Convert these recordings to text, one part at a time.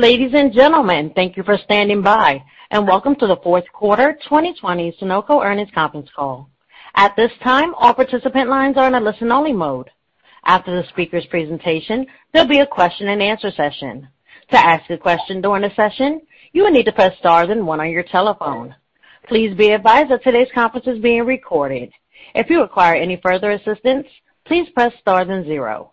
Ladies and gentlemen, thank you for standing by and welcome to the fourth quarter 2020 Sonoco earnings conference call. At this time all participants lines are in a only-listen mode. After the speaker's presentation, there'll be a question and answer session. To ask a question during the session, you will need to press star and one on your telephone. Please be advised that today's conference is being recorded. If you require any further assistance, please press star and zero.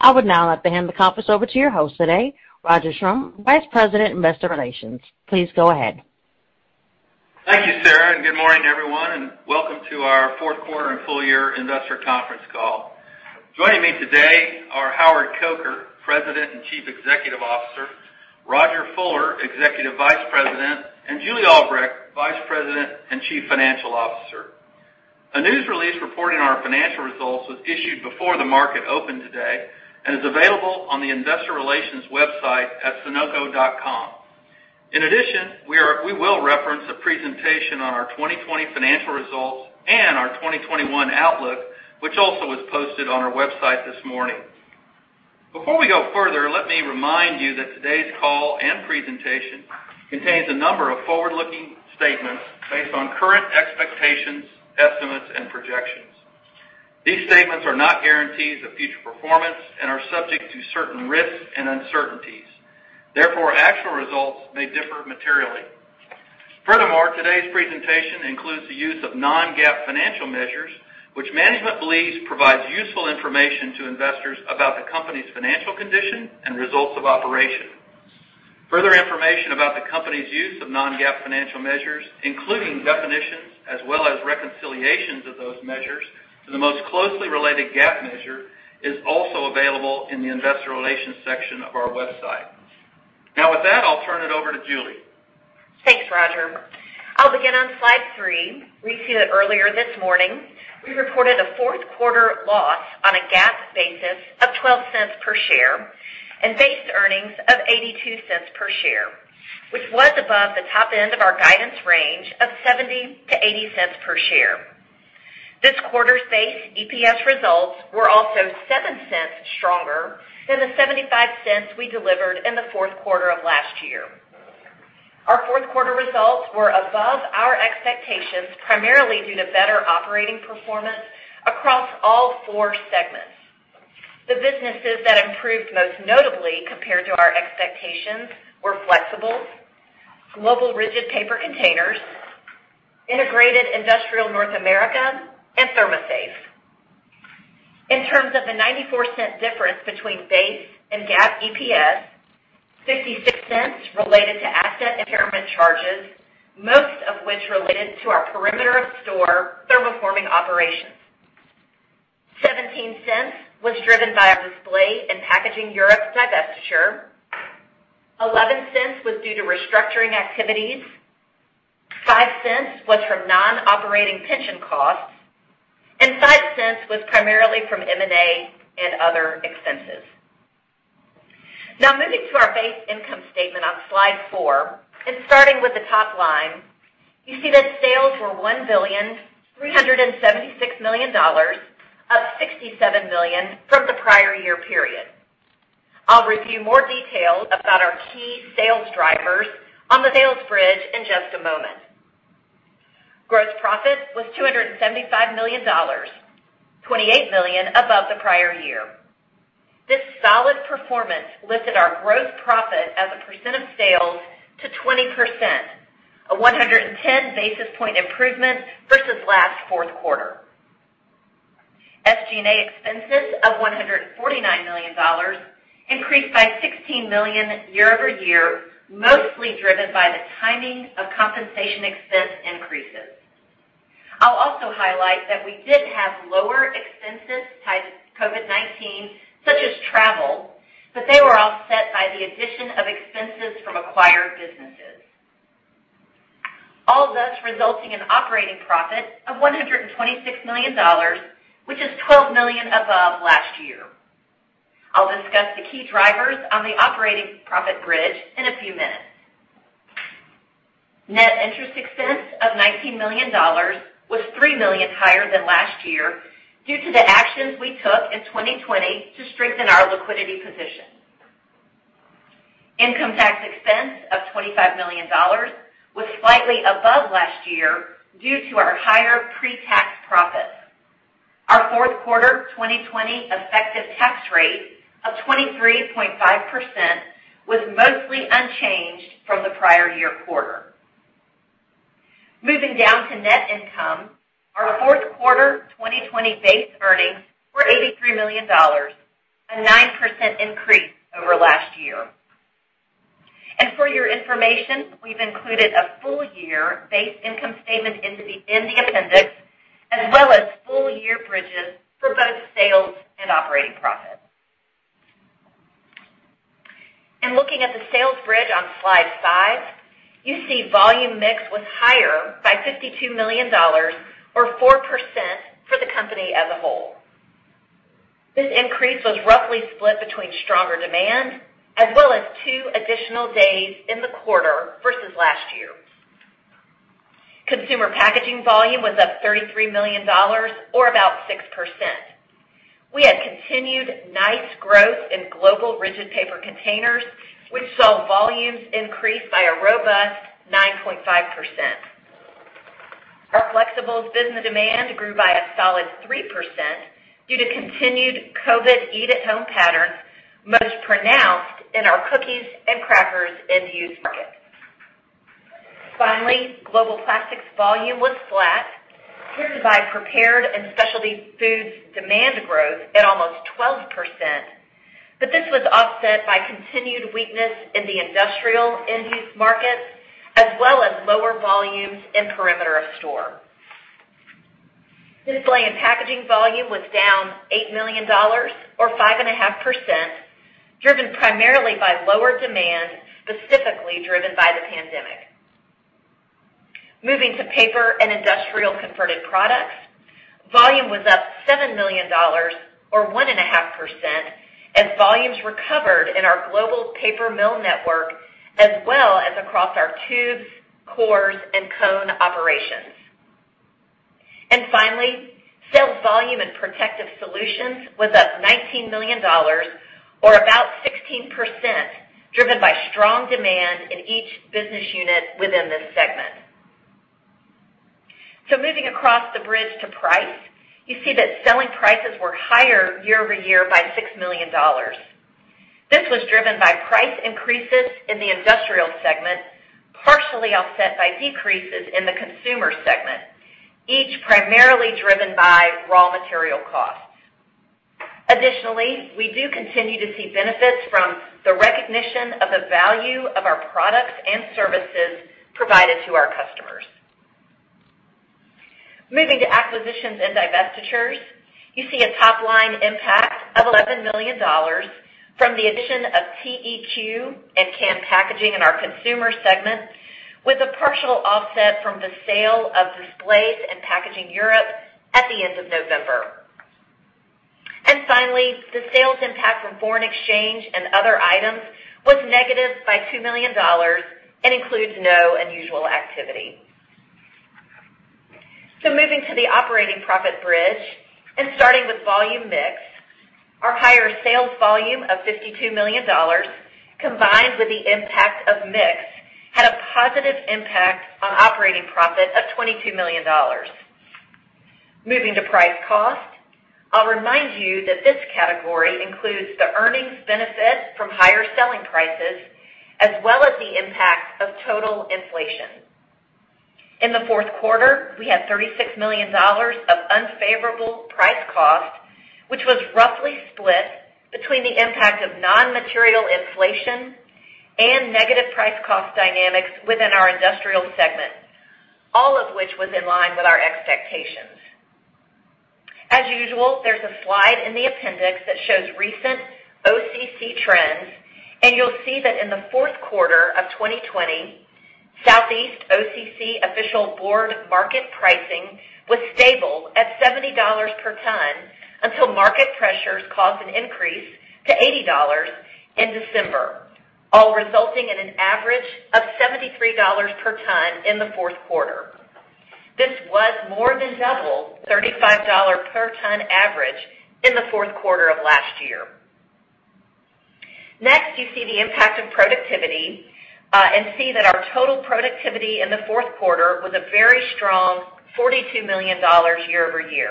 I would now like to hand the conference over to your host today, Roger Schrum, Vice President, Investor Relations. Please go ahead. Thank you, Sarah. Good morning, everyone, and welcome to our fourth quarter and full year investor conference call. Joining me today are Howard Coker, President and Chief Executive Officer, Rodger Fuller, Executive Vice President, and Julie Albrecht, Vice President and Chief Financial Officer. A news release reporting our financial results was issued before the market opened today and is available on the investor relations website at sonoco.com. In addition, we will reference a presentation on our 2020 financial results and our 2021 outlook, which also was posted on our website this morning. Before we go further, let me remind you that today's call and presentation contains a number of forward-looking statements based on current expectations, estimates, and projections. These statements are not guarantees of future performance and are subject to certain risks and uncertainties. Therefore, actual results may differ materially. Furthermore, today's presentation includes the use of Non-GAAP financial measures, which management believes provides useful information to investors about the company's financial condition and results of operation. Further information about the company's use of Non-GAAP financial measures, including definitions as well as reconciliations of those measures to the most closely related GAAP measure, is also available in the Investor Relations section of our website. Now with that, I'll turn it over to Julie. Thanks, Roger. I'll begin on slide three. We've seen it earlier this morning. We reported a fourth quarter loss on a GAAP basis of $0.12 per share. Base earnings of $0.82 per share, which was above the top end of our guidance range of $0.70-$0.80 per share. This quarter's base EPS results were also $0.07 stronger than the $0.75 we delivered in the fourth quarter of last year. Our fourth quarter results were above our expectations, primarily due to better operating performance across all four segments. The businesses that improved most notably compared to our expectations were Flexibles, Global Rigid Paper Containers, Integrated Industrial North America, and ThermoSafe. In terms of the $0.94 difference between base and GAAP EPS, $0.56 related to asset impairment charges, most of which related to our perimeter of store thermoforming operations. $0.17 was driven by our Display and Packaging Europe's divestiture. $0.11 was due to restructuring activities. $0.05 was from non-operating pension costs, and $0.05 was primarily from M&A and other expenses. Moving to our base income statement on slide four and starting with the top line, you see that sales were $1,376,000,000, up $67 million from the prior year period. I will review more details about our key sales drivers on the sales bridge in just a moment. Gross profit was $275,000,000, $28 million above the prior year. This solid performance lifted our gross profit as a percent of sales to 20%, a 110 basis point improvement versus last fourth quarter. SG&A expenses of $149 million increased by $16 million year-over-year, mostly driven by the timing of compensation expense increases. I will also highlight that we did have lower expenses tied to COVID-19, such as travel, but they were offset by the addition of expenses from acquired businesses. All thus resulting in operating profit of $126 million, which is $12 million above last year. I'll discuss the key drivers on the operating profit bridge in a few minutes. Net interest expense of $19 million was $3 million higher than last year due to the actions we took in 2020 to strengthen our liquidity position. Income tax expense of $25 million was slightly above last year due to our higher pre-tax profits. Our fourth quarter 2020 effective tax rate of 23.5% was mostly unchanged from the prior year quarter. Moving down to net income, our fourth quarter 2020 base earnings were $83 million, a 9% increase over last year. For your information, we've included a full year base income statement in the appendix, as well as full-year bridges for both sales and operating profits. Looking at the sales bridge on slide five, you see volume mix was higher by $52 million or 4% for the company as a whole. This increase was roughly split between stronger demand as well as two additional days in the quarter versus last year. Consumer Packaging volume was up $33 million, or about 6%. We had continued nice growth in Global Rigid Paper Containers, which saw volumes increase by a robust 9.5%. Our Flexibles business demand grew by a solid 3% due to continued COVID eat-at-home patterns, most pronounced in our cookies and crackers end-use markets. Finally, Global Plastics volume was flat, driven by Prepared and Specialty Foods demand growth at almost 12%, but this was offset by continued weakness in the industrial end-use markets, as well as lower volumes in perimeter of store. Display and Packaging volume was down $8 million, or 5.5%, driven primarily by lower demand, specifically driven by the pandemic. Moving to paper and industrial converted products, volume was up $7 million, or 1.5%, as volumes recovered in our global paper mill network, as well as across our Tubes, Cores, and Cone operations. Finally, sales volume in Protective Solutions was up $19 million, or about 16%, driven by strong demand in each business unit within this segment. Moving across the bridge to price, you see that selling prices were higher year-over-year by $6 million. This was driven by price increases in the Industrial segment, partially offset by decreases in the Consumer segment, each primarily driven by raw material costs. Additionally, we do continue to see benefits from the recognition of the value of our products and services provided to our customers. Moving to acquisitions and divestitures, you see a top-line impact of $11 million from the addition of TEQ and Can Packaging in our consumer segment, with a partial offset from the sale of Displays and Packaging Europe at the end of November. Finally, the sales impact from foreign exchange and other items was negative by $2 million and includes no unusual activity. Moving to the operating profit bridge and starting with volume mix, our higher sales volume of $52 million, combined with the impact of mix, had a positive impact on operating profit of $22 million. Moving to price cost, I'll remind you that this category includes the earnings benefit from higher selling prices, as well as the impact of total inflation. In the fourth quarter, we had $36 million of unfavorable price cost, which was roughly split between the impact of non-material inflation and negative price cost dynamics within our Industrial segment, all of which was in line with our expectations. As usual, there's a slide in the appendix that shows recent OCC trends, and you'll see that in the fourth quarter of 2020, Southeast OCC official board market pricing was stable at $70/ton until market pressures caused an increase to $80 in December, all resulting in an average of $73/ton in the fourth quarter. This was more than double $35 per ton average in the fourth quarter of last year. Next, you see the impact of productivity, and see that our total productivity in the fourth quarter was a very strong $42 million year-over-year.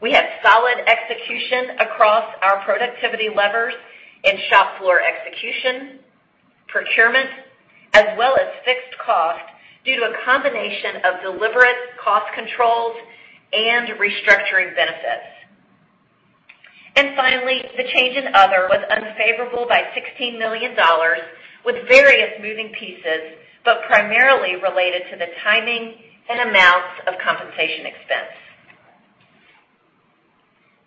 We had solid execution across our productivity levers in shop floor execution, procurement, as well as fixed cost due to a combination of deliberate cost controls and restructuring benefits. Finally, the change in other was unfavorable by $16 million with various moving pieces, but primarily related to the timing and amounts of compensation expense.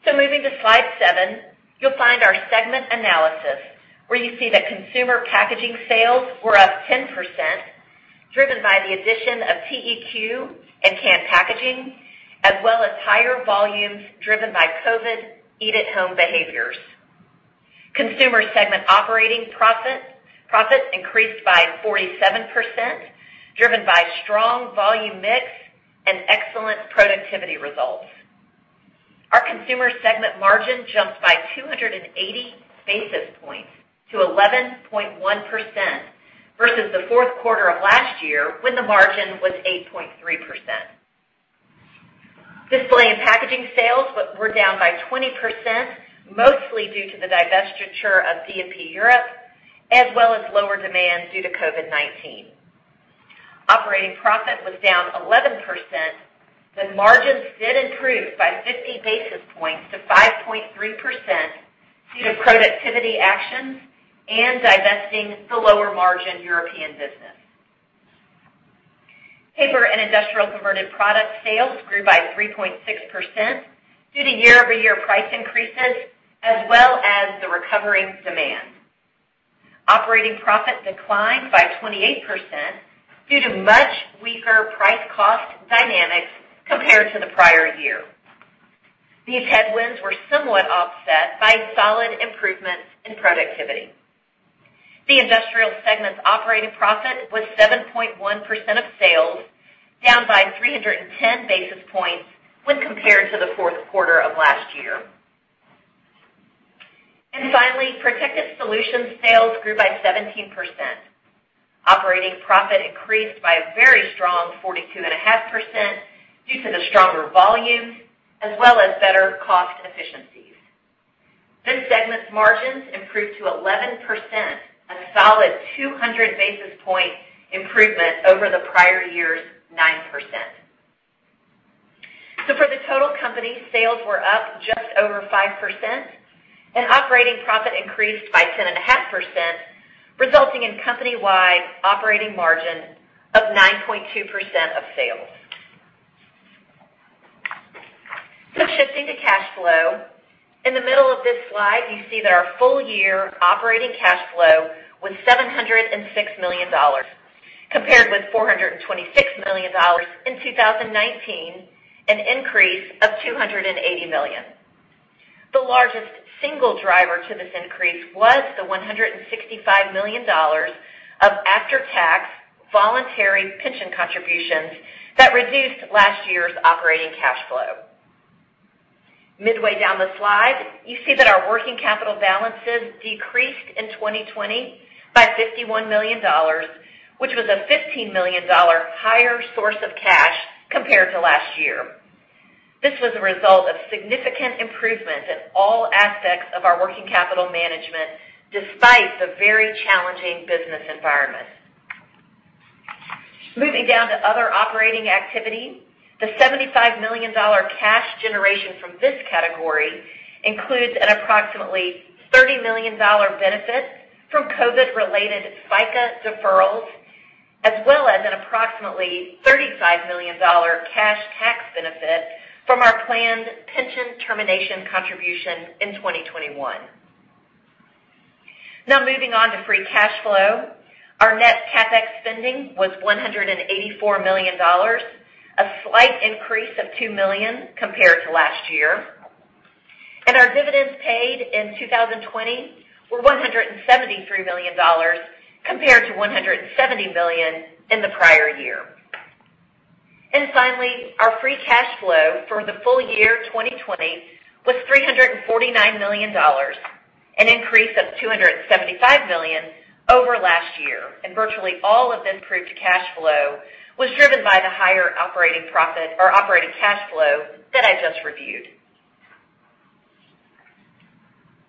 Moving to slide seven, you'll find our segment analysis, where you see that Consumer Packaging sales were up 10%, driven by the addition of TEQ and Can Packaging, as well as higher volumes driven by COVID eat-at-home behaviors. Consumer segment operating profit increased by 47%, driven by strong volume mix and excellent productivity results. Our consumer segment margin jumped by 280 basis points to 11.1% versus the fourth quarter of last year when the margin was 8.3%. Display and Packaging sales were down by 20%, mostly due to the divestiture of D&P Europe, as well as lower demand due to COVID-19. Operating profit was down 11%. Margins did improve by 50 basis points to 5.3% due to productivity actions and divesting the lower-margin European business. Paper and industrial converted product sales grew by 3.6% due to year-over-year price increases as well as the recovering demand. Operating profit declined by 28% due to much weaker price cost dynamics compared to the prior year. These headwinds were somewhat offset by solid productivity. The industrial segment's operating profit was 7.1% of sales, down by 310 basis points when compared to the fourth quarter of last year. Finally, Protective Solutions sales grew by 17%. Operating profit increased by a very strong 42.5% due to the stronger volumes, as well as better cost efficiencies. This segment's margins improved to 11%, a solid 200 basis point improvement over the prior year's 9%. For the total company, sales were up just over 5%, and operating profit increased by 10.5%, resulting in company-wide operating margin of 9.2% of sales. Shifting to cash flow. In the middle of this slide, you see that our full year operating cash flow was $706 million, compared with $426 million in 2019, an increase of $280 million. The largest single driver to this increase was the $165 million of after-tax voluntary pension contributions that reduced last year's operating cash flow. Midway down the slide, you see that our working capital balances decreased in 2020 by $51 million, which was a $15 million higher source of cash compared to last year. This was a result of significant improvements in all aspects of our working capital management, despite the very challenging business environment. Moving down to other operating activity. The $75 million cash generation from this category includes an approximately $30 million benefit from COVID-related FICA deferrals, as well as an approximately $35 million cash tax benefit from our planned pension termination contribution in 2021. Moving on to free cash flow. Our net CapEx spending was $184 million, a slight increase of $2 million compared to last year. Our dividends paid in 2020 were $173 million compared to $170 million in the prior year. Finally, our free cash flow for the full year 2020 was $349 million, an increase of $275 million over last year. Virtually all of the improved cash flow was driven by the higher operating profit or operating cash flow that I just reviewed.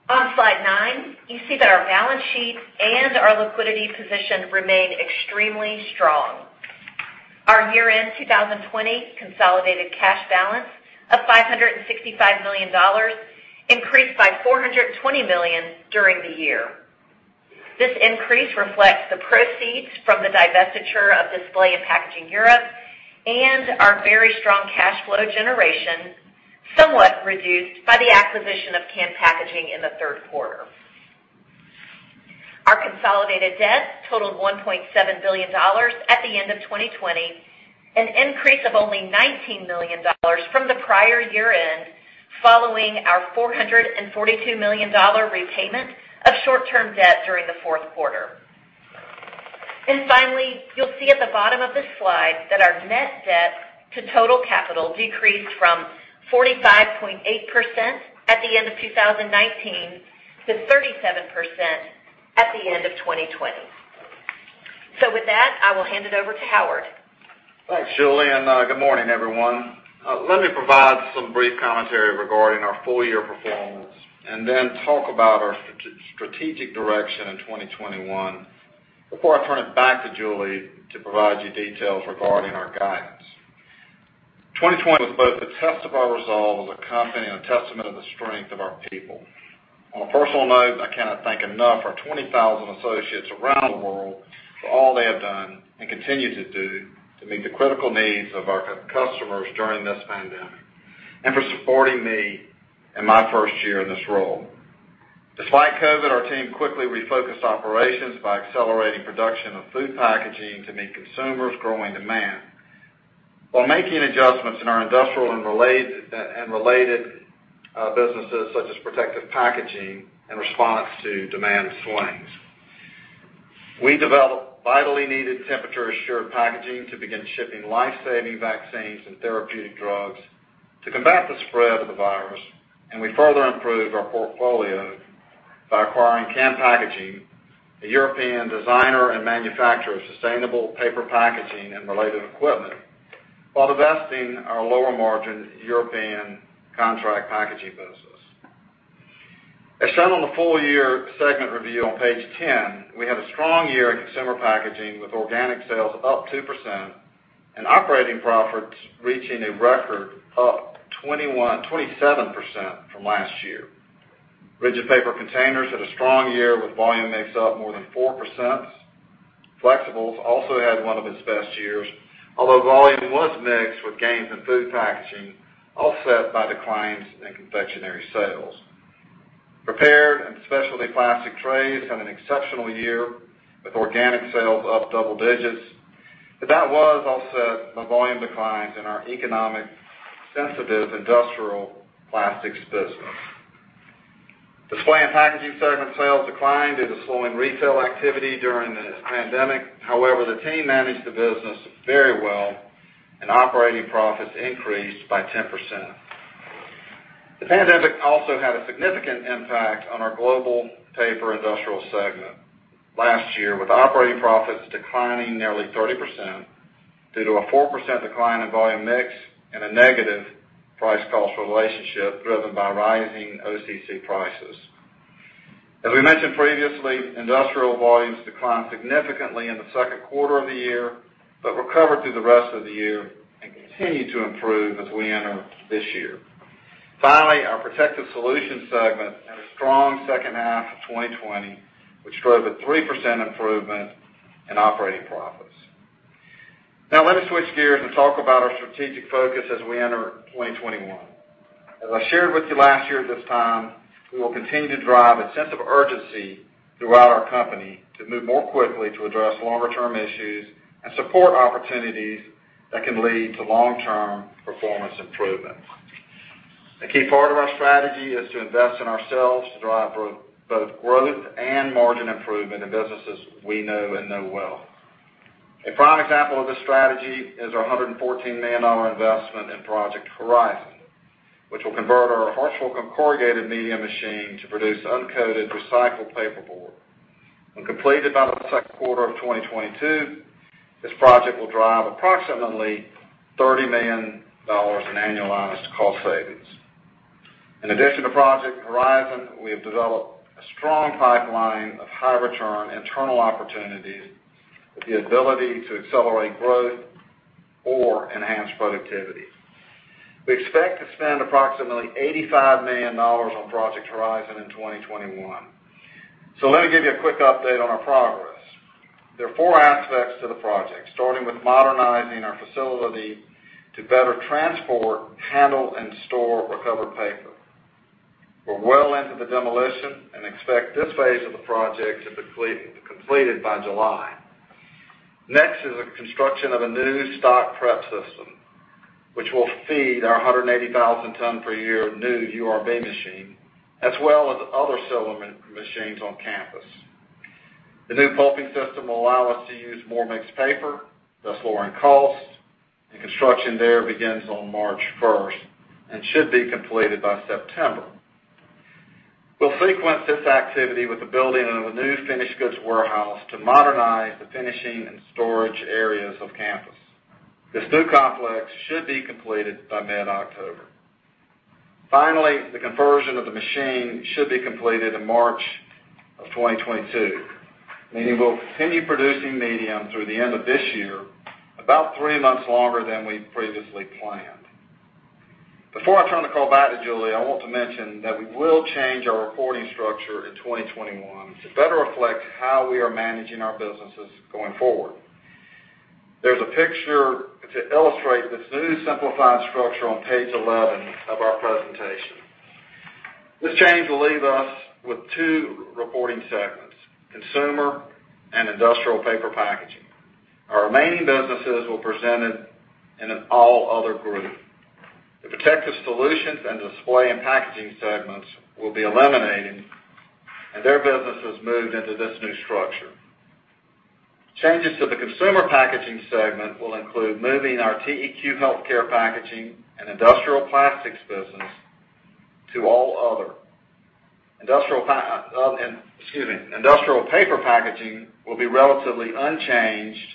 On slide nine, you see that our balance sheet and our liquidity position remain extremely strong. Our year-end 2020 consolidated cash balance of $565 million increased by $420 million during the year. This increase reflects the proceeds from the divestiture of Display and Packaging Europe and our very strong cash flow generation, somewhat reduced by the acquisition of Can Packaging in the third quarter. Our consolidated debt totaled $1.7 billion at the end of 2020, an increase of only $19 million from the prior year-end, following our $442 million repayment of short-term debt during the fourth quarter. Finally, you'll see at the bottom of the slide that our net debt to total capital decreased from 45.8% at the end of 2019 to 37% at the end of 2020. With that, I will hand it over to Howard. Thanks, Julie. Good morning, everyone. Let me provide some brief commentary regarding our full-year performance and then talk about our strategic direction in 2021 before I turn it back to Julie to provide you details regarding our guidance. 2020 was both a test of our resolve as a company and a testament of the strength of our people. On a personal note, I cannot thank enough our 20,000 associates around the world for all they have done and continue to do to meet the critical needs of our customers during this pandemic, and for supporting me in my first year in this role. Despite COVID, our team quickly refocused operations by accelerating production of food packaging to meet consumers' growing demand while making adjustments in our industrial and related businesses such as Protective Packaging in response to demand swings. We developed vitally needed temperature-assured packaging to begin shipping life-saving vaccines and therapeutic drugs to combat the spread of the virus. We further improved our portfolio by acquiring Can Packaging, a European designer and manufacturer of sustainable paper packaging and related equipment while divesting our lower-margin European contract packaging business. As shown on the full-year segment review on page 10, we had a strong year in Consumer Packaging with organic sales up 2% and operating profits reaching a record up 27% from last year. Rigid Paper Containers had a strong year with volume mix up more than 4%. Flexibles also had one of its best years, although volume was mixed with gains in food packaging offset by declines in confectionery sales. Prepared and specialty plastic trays had an exceptional year, with organic sales up double digits. That was offset by volume declines in our economic-sensitive industrial plastics business. Display and Packaging Segment sales declined due to slowing retail activity during this pandemic. However, the team managed the business very well, and operating profits increased by 10%. The pandemic also had a significant impact on our global Paper & Industrial Segment last year, with operating profits declining nearly 30% due to a 4% decline in volume mix and a negative price cost relationship driven by rising OCC prices. As we mentioned previously, industrial volumes declined significantly in the second quarter of the year, recovered through the rest of the year and continue to improve as we enter this year. Finally, our Protective Solutions Segment had a strong second half of 2020, which drove a 3% improvement in operating profits. Now let me switch gears and talk about our strategic focus as we enter 2021. As I shared with you last year at this time, we will continue to drive a sense of urgency throughout our company to move more quickly to address longer-term issues and support opportunities that can lead to long-term performance improvement. A key part of our strategy is to invest in ourselves to drive both growth and margin improvement in businesses we know and know well. A prime example of this strategy is our $114 million investment in Project Horizon, which will convert our Hartsville corrugated medium machine to produce uncoated recycled paperboard. When completed by the second quarter of 2022, this project will drive approximately $30 million in annualized cost savings. In addition to Project Horizon, we have developed a strong pipeline of high-return internal opportunities with the ability to accelerate growth or enhance productivity. We expect to spend approximately $85 million on Project Horizon in 2021. Let me give you a quick update on our progress. There are four aspects to the project, starting with modernizing our facility to better transport, handle, and store recovered paper. We're well into the demolition and expect this phase of the project to be completed by July. Next is the construction of a new stock prep system, which will feed our 180,000 ton per year new URB machine, as well as other cylinder machines on campus. The new pulping system will allow us to use more mixed paper, thus lowering costs, and construction there begins on March 1st and should be completed by September. We'll sequence this activity with the building of a new finished goods warehouse to modernize the finishing and storage areas of campus. This new complex should be completed by mid-October. Finally, the conversion of the machine should be completed in March of 2022, meaning we'll continue producing medium through the end of this year, about three months longer than we previously planned. Before I turn the call back to Julie, I want to mention that we will change our reporting structure in 2021 to better reflect how we are managing our businesses going forward. There's a picture to illustrate this new simplified structure on page 11 of our presentation. This change will leave us with two reporting segments, Consumer Packaging and Industrial Paper Packaging. Our remaining businesses will be presented in an All Other group. The Protective Solutions and Display and Packaging segments will be eliminated, and their businesses moved into this new structure. Changes to the Consumer Packaging segment will include moving our TEQ healthcare packaging and industrial plastics business to All Other. Industrial Paper Packaging will be relatively unchanged,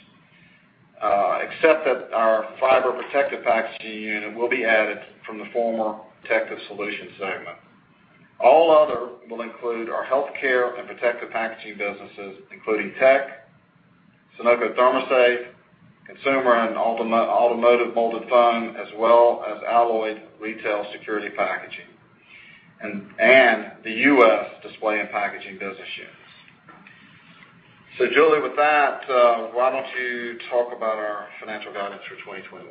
except that our fiber protective packaging unit will be added from the former Protective Solutions segment. All Other will include our healthcare and protective packaging businesses, including TEQ, Sonoco ThermoSafe, consumer and automotive molded foam, as well as Alloyd Retail Security Packaging, and the U.S. Display and Packaging business units. Julie, with that, why don't you talk about our financial guidance for 2021?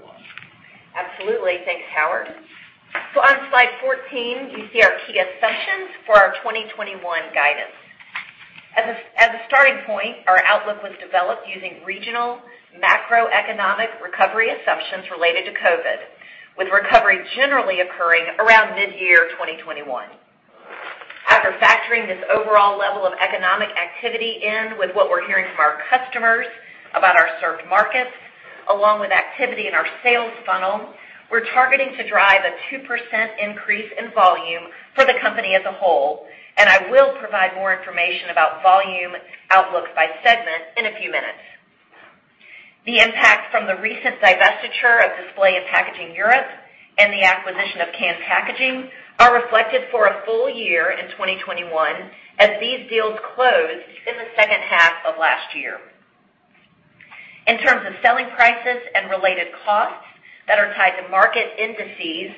Absolutely. Thanks, Howard. On slide 14, you see our key assumptions for our 2021 guidance. As a starting point, our outlook was developed using regional macroeconomic recovery assumptions related to COVID, with recovery generally occurring around mid-year 2021. After factoring this overall level of economic activity in with what we're hearing from our customers about our served markets, along with activity in our sales funnel, we're targeting to drive a 2% increase in volume for the company as a whole. I will provide more information about volume outlook by segment in a few minutes. The impact from the recent divestiture of Sonoco Europe contract packaging business and the acquisition of Can Packaging are reflected for a full year in 2021, as these deals closed in the second half of last year. In terms of selling prices and related costs that are tied to market indices,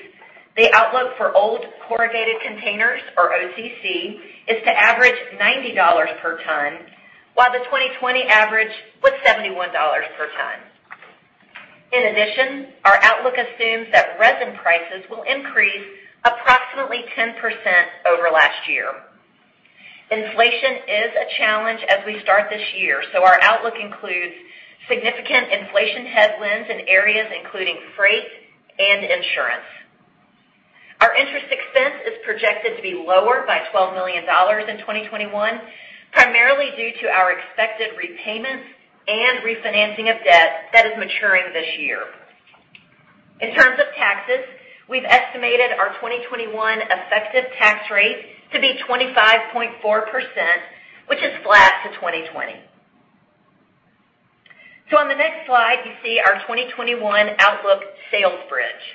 the outlook for old corrugated containers, or OCC, is to average $90 per ton, while the 2020 average was $71 per ton. In addition, our outlook assumes that resin prices will increase approximately 10% over last year. Inflation is a challenge as we start this year, so our outlook includes significant inflation headwinds in areas including freight and insurance. Our interest expense is projected to be lower by $12 million in 2021, primarily due to our expected repayments and refinancing of debt that is maturing this year. In terms of taxes, we've estimated our 2021 effective tax rate to be 25.4%, which is flat to 2020. On the next slide, you see our 2021 outlook sales bridge.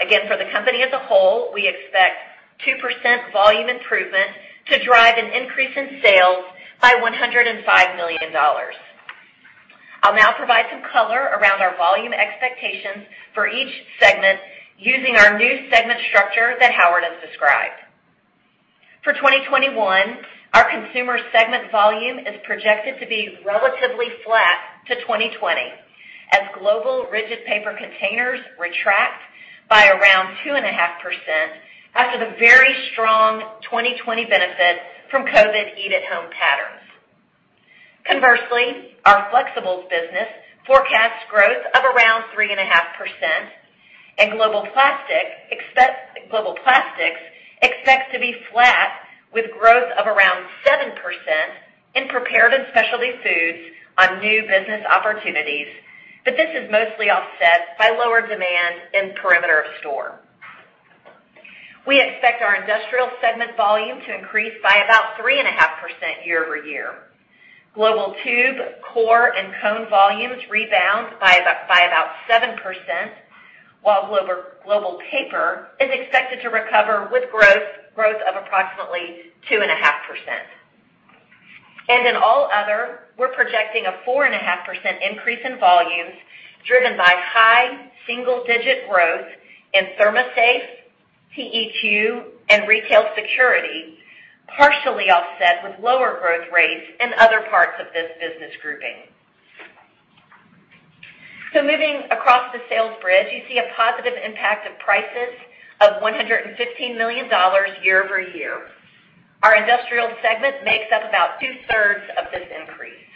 Again, for the company as a whole, we expect 2% volume improvement to drive an increase in sales by $105 million. I'll now provide some color around our volume expectations for each segment using our new segment structure that Howard has described. For 2021, our Consumer Packaging segment volume is projected to be relatively flat to 2020 as Global Rigid Paper Containers retract by around 2.5% after the very strong 2020 benefit from COVID eat-at-home patterns. Our Flexibles business forecasts growth of around 3.5%, and Global Plastics expects to be flat with growth of around 7% in Prepared and Specialty Foods on new business opportunities, but this is mostly offset by lower demand in perimeter of store. We expect our Industrial Paper Packaging segment volume to increase by about 3.5% year-over-year. Global Tube, Core, and Cone volumes rebound by about 7%, while Global Paper is expected to recover with growth of approximately 2.5%. In All Other, we're projecting a 4.5% increase in volumes, driven by high single-digit growth in ThermoSafe, TEQ, and Retail Security, partially offset with lower growth rates in other parts of this business grouping. Moving across the sales bridge, you see a positive impact of prices of $115 million year-over-year. Our Industrial segment makes up about 2/3 of this increase.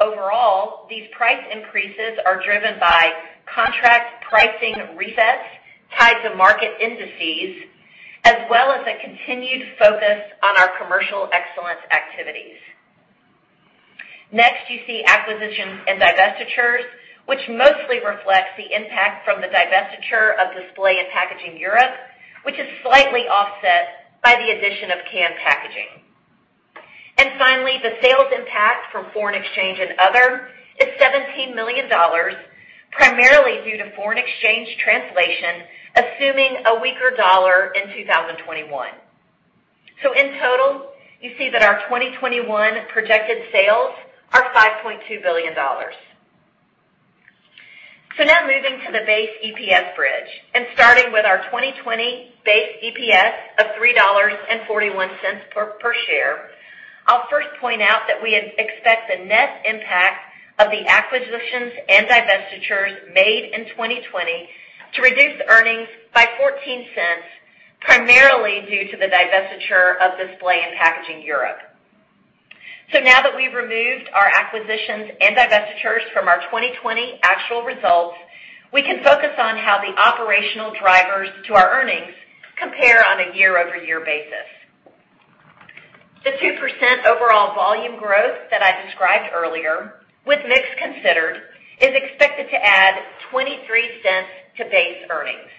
Overall, these price increases are driven by contract pricing resets tied to market indices, as well as a continued focus on our commercial excellence activities. Next, you see acquisitions and divestitures, which mostly reflects the impact from the divestiture of Display and Packaging Europe, which is slightly offset by the addition of Can Packaging. Finally, the sales impact from foreign exchange and other is $17 million, primarily due to foreign exchange translation, assuming a weaker dollar in 2021. In total, you see that our 2021 projected sales are $5.2 billion. Now moving to the base EPS bridge and starting with our 2020 base EPS of $3.41 per share. I'll first point out that we expect the net impact of the acquisitions and divestitures made in 2020 to reduce earnings by $0.14, primarily due to the divestiture of Display and Packaging Europe. Now that we've removed our acquisitions and divestitures from our 2020 actual results, we can focus on how the operational drivers to our earnings compare on a year-over-year basis. The 2% overall volume growth that I described earlier, with mix considered, is expected to add $0.23 to base earnings.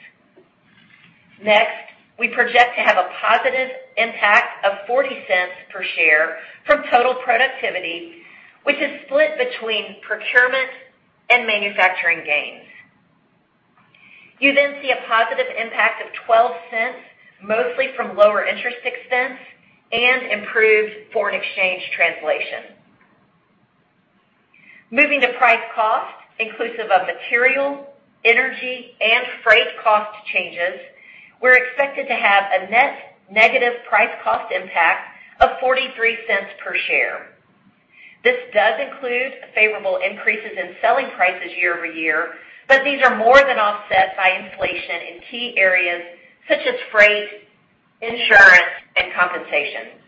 Next, we project to have a positive impact of $0.40 per share from total productivity, which is split between procurement and manufacturing gains. You then see a positive impact of $0.12, mostly from lower interest expense and improved foreign exchange translation. Moving to price cost, inclusive of material, energy, and freight cost changes, we're expected to have a net negative price cost impact of $0.43 per share. This does include favorable increases in selling prices year-over-year, but these are more than offset by inflation in key areas such as freight, insurance, and compensation.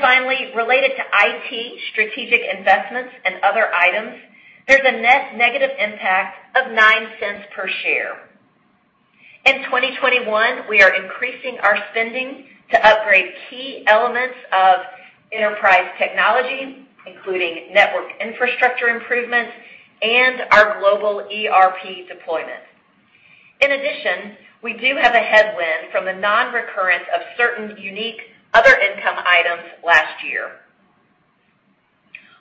Finally, related to IT, strategic investments, and other items, there's a net negative impact of $0.09 per share. In 2021, we are increasing our spending to upgrade key elements of enterprise technology, including network infrastructure improvements and our global ERP deployment. In addition, we do have a headwind from the non-recurrence of certain unique other income items last year.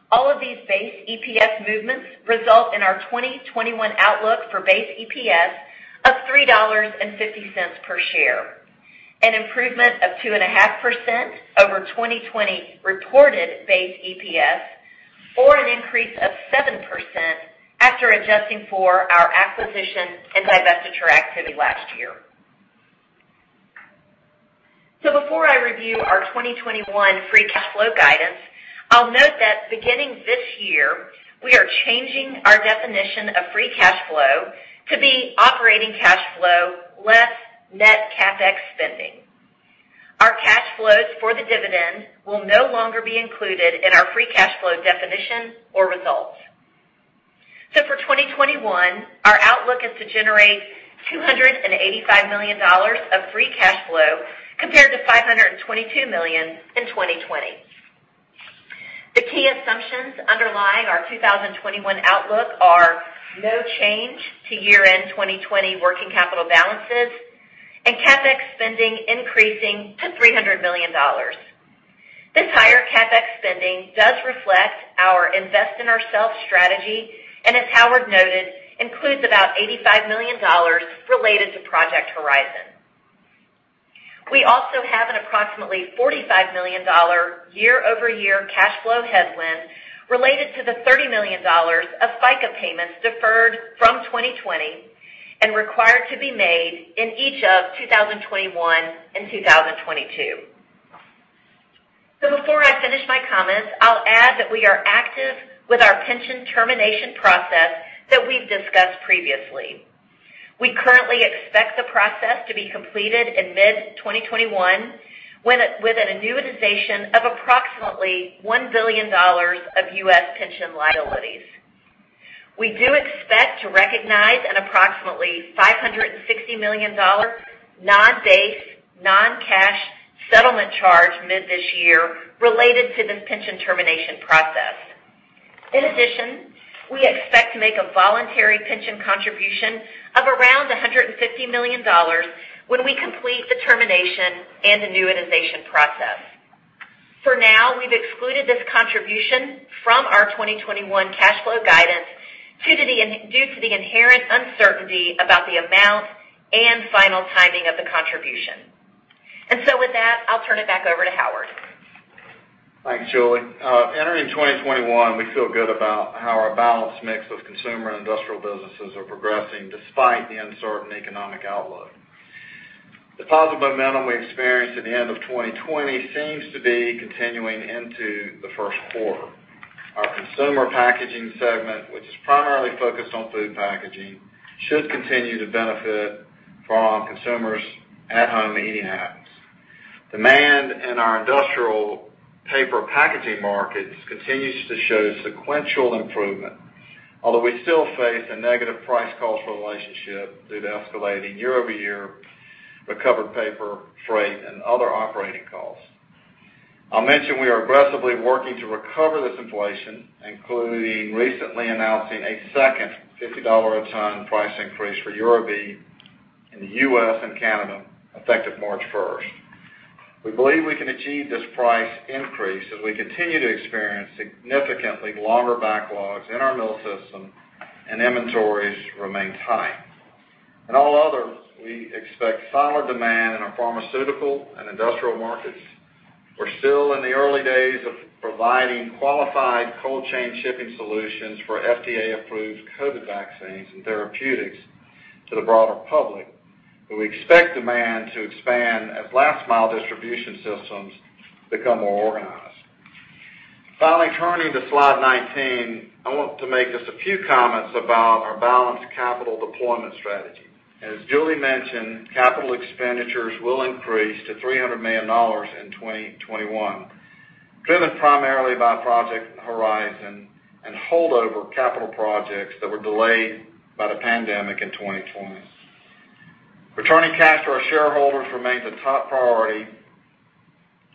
All of these base EPS movements result in our 2021 outlook for base EPS of $3.50 per share, an improvement of 2.5% over 2020 reported base EPS or an increase of 7% after adjusting for our acquisition and divestiture activity last year. Before I review our 2021 free cash flow guidance, I'll note that beginning this year, we are changing our definition of free cash flow to be operating cash flow less net CapEx spending. Our cash flows for the dividend will no longer be included in our free cash flow definition or results. For 2021, our outlook is to generate $285 million of free cash flow compared to $522 million in 2020. The key assumptions underlying our 2021 outlook are no change to year-end 2020 working capital balances, and CapEx spending increasing to $300 million. This higher CapEx spending does reflect our Invest in Ourself strategy, and as Howard noted, includes about $85 million related to Project Horizon. We also have an approximately $45 million year-over-year cash flow headwind related to the $30 million of FICA payments deferred from 2020 and required to be made in each of 2021 and 2022. Before I finish my comments, I'll add that we are active with our pension termination process that we've discussed previously. We currently expect the process to be completed in mid-2021 with an annuitization of approximately $1 billion of U.S. pension liabilities. We do expect to recognize an approximately $560 million non-base, non-cash settlement charge mid this year related to this pension termination process. In addition, we expect to make a voluntary pension contribution of around $150 million when we complete the termination and annuitization process. For now, we've excluded this contribution from our 2021 cash flow guidance due to the inherent uncertainty about the amount and final timing of the contribution. With that, I'll turn it back over to Howard. Thanks, Julie. Entering 2021, we feel good about how our balanced mix of consumer and industrial businesses are progressing despite the uncertain economic outlook. The positive momentum we experienced at the end of 2020 seems to be continuing into the first quarter. Our Consumer Packaging segment, which is primarily focused on food packaging, should continue to benefit from consumers' at-home eating habits. Demand in our Industrial Paper Packaging markets continues to show sequential improvement, although we still face a negative price cost relationship due to escalating year-over-year recovered paper, freight, and other operating costs. I'll mention we are aggressively working to recover this inflation, including recently announcing a second $50 a ton price increase for URB in the U.S. and Canada effective March 1st. We believe we can achieve this price increase as we continue to experience significantly longer backlogs in our mill system and inventories remain tight. In All Other, we expect solid demand in our pharmaceutical and industrial markets. We're still in the early days of providing qualified cold chain shipping solutions for FDA-approved COVID vaccines and therapeutics to the broader public, but we expect demand to expand as last-mile distribution systems become more organized. Finally, turning to slide 19, I want to make just a few comments about our balanced capital deployment strategy. As Julie mentioned, capital expenditures will increase to $300 million in 2021, driven primarily by Project Horizon and holdover capital projects that were delayed by the pandemic in 2020. Returning cash to our shareholders remains a top priority,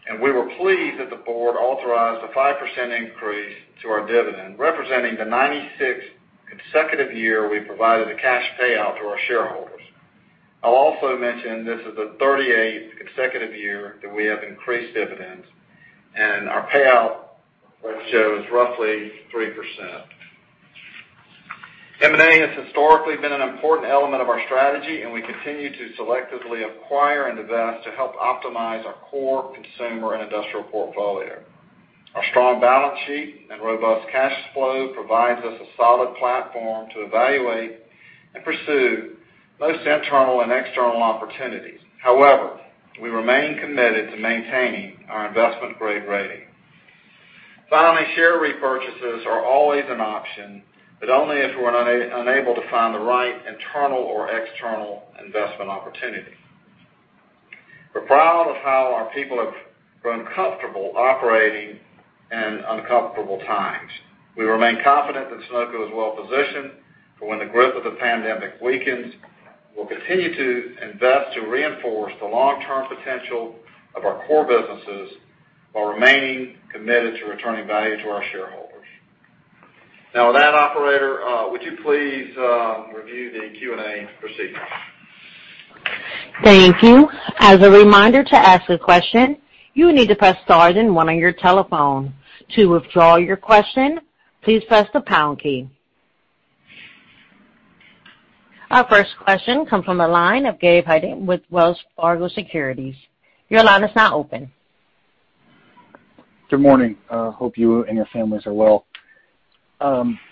and we were pleased that the board authorized a 5% increase to our dividend, representing the 96th consecutive year we provided a cash payout to our shareholders. I'll also mention this is the 38th consecutive year that we have increased dividends, and our payout ratio is roughly 3%. M&A has historically been an important element of our strategy, and we continue to selectively acquire and invest to help optimize our core consumer and industrial portfolio. Our strong balance sheet and robust cash flow provides us a solid platform to evaluate and pursue both internal and external opportunities. However, we remain committed to maintaining our investment-grade rating. Finally, share repurchases are always an option, but only if we're unable to find the right internal or external investment opportunity. We're proud of how our people have grown comfortable operating in uncomfortable times. We remain confident that Sonoco is well-positioned for when the grip of the pandemic weakens. We'll continue to invest to reinforce the long-term potential of our core businesses while remaining committed to returning value to our shareholders. Now with that, operator, would you please review the Q&A procedure? Thank you. As a reminder, to ask a question, you need to press star then one on your telephone. To withdraw your question, please press the pound key. Our first question comes from the line of Gabe Hajde with Wells Fargo Securities. Your line is now open. Good morning. Hope you and your families are well.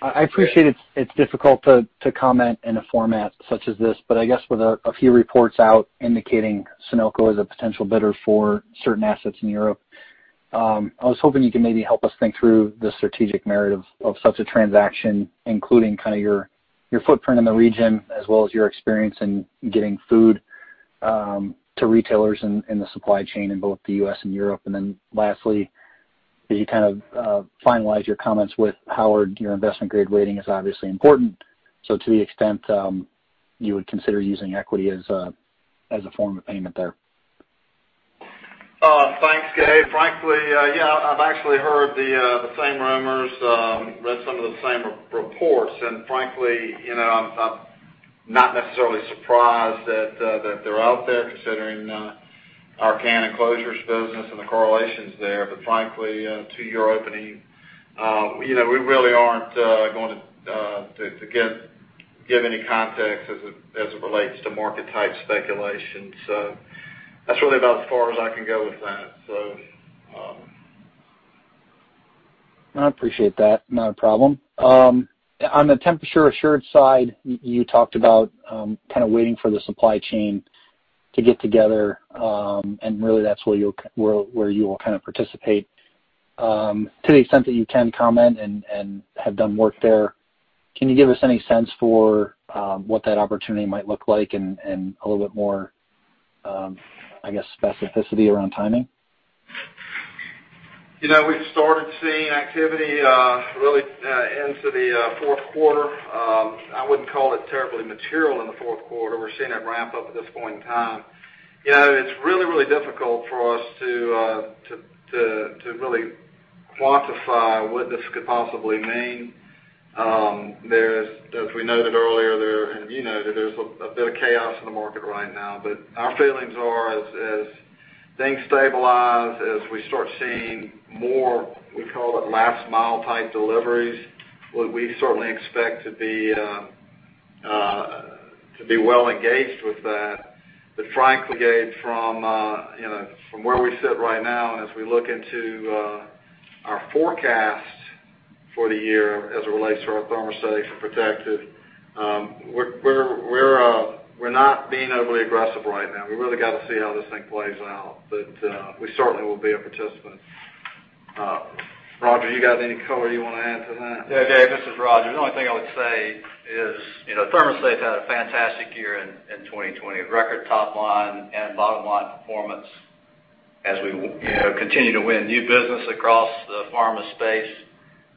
I appreciate it's difficult to comment in a format such as this, but I guess with a few reports out indicating Sonoco is a potential bidder for certain assets in Europe, I was hoping you could maybe help us think through the strategic merit of such a transaction, including your footprint in the region, as well as your experience in getting food to retailers in the supply chain in both the U.S. and Europe. Lastly, could you finalize your comments with how your investment-grade rating is obviously important, so to the extent you would consider using equity as a form of payment there? Thanks, Gabe. Frankly, yeah, I've actually heard the same rumors, read some of the same reports, and frankly, I'm not necessarily surprised that they're out there considering our can and closures business and the correlations there. Frankly, to your opening, we really aren't going to give any context as it relates to market-type speculation. That's really about as far as I can go with that. I appreciate that. Not a problem. On the temperature-assured side, you talked about waiting for the supply chain to get together, and really that's where you will participate. To the extent that you can comment and have done work there, can you give us any sense for what that opportunity might look like and a little bit more, I guess, specificity around timing? We've started seeing activity really into the fourth quarter. I wouldn't call it terribly material in the fourth quarter. We're seeing it ramp up at this point in time. It's really difficult for us to really quantify what this could possibly mean. As we noted earlier, and you noted, there's a bit of chaos in the market right now. Our feelings are as things stabilize, as we start seeing more, we call it last mile type deliveries, we certainly expect to be well engaged with that. Frankly, Gabe, from where we sit right now, and as we look into our forecast for the year as it relates to our ThermoSafe and Protective, we're not being overly aggressive right now. We really got to see how this thing plays out. We certainly will be a participant. Rodger, you got any color you want to add to that? Yeah, Gabe, this is Rodger. The only thing I would say is ThermoSafe had a fantastic year in 2020, record top line and bottom line performance. As we continue to win new business across the pharma space,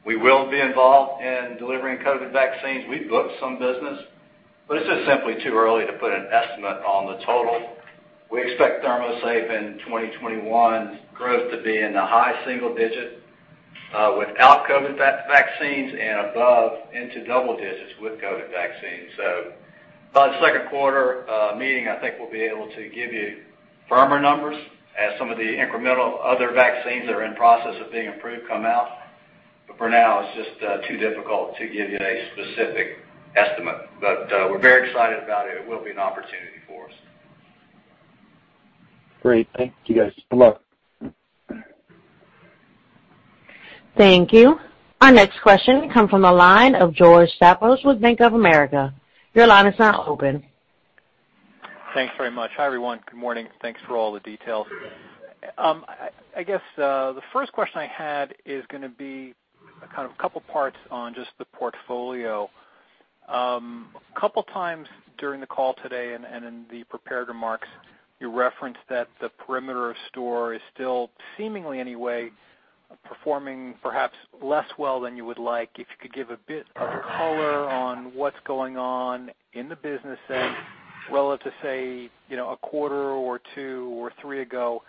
we will be involved in delivering COVID vaccines. We've booked some business, but it's just simply too early to put an estimate on the total. We expect ThermoSafe in 2021's growth to be in the high single digits without COVID vaccines and above into double digits with COVID vaccines. By the second quarter meeting, I think we'll be able to give you firmer numbers as some of the incremental other vaccines that are in process of being approved come out. For now, it's just too difficult to give you a specific estimate. We're very excited about it. It will be an opportunity for us. Great. Thank you, guys. Good luck. Thank you. Our next question comes from the line of George Staphos with Bank of America. Thanks very much. Hi, everyone. Good morning. Thanks for all the details. I guess the first question I had is going to be a couple parts on just the portfolio. A couple times during the call today and in the prepared remarks, you referenced that the perimeter of store is still seemingly, anyway, performing perhaps less well than you would like. If you could give a bit of color on what's going on in the business there relative to, say, a quarter or two or three ago,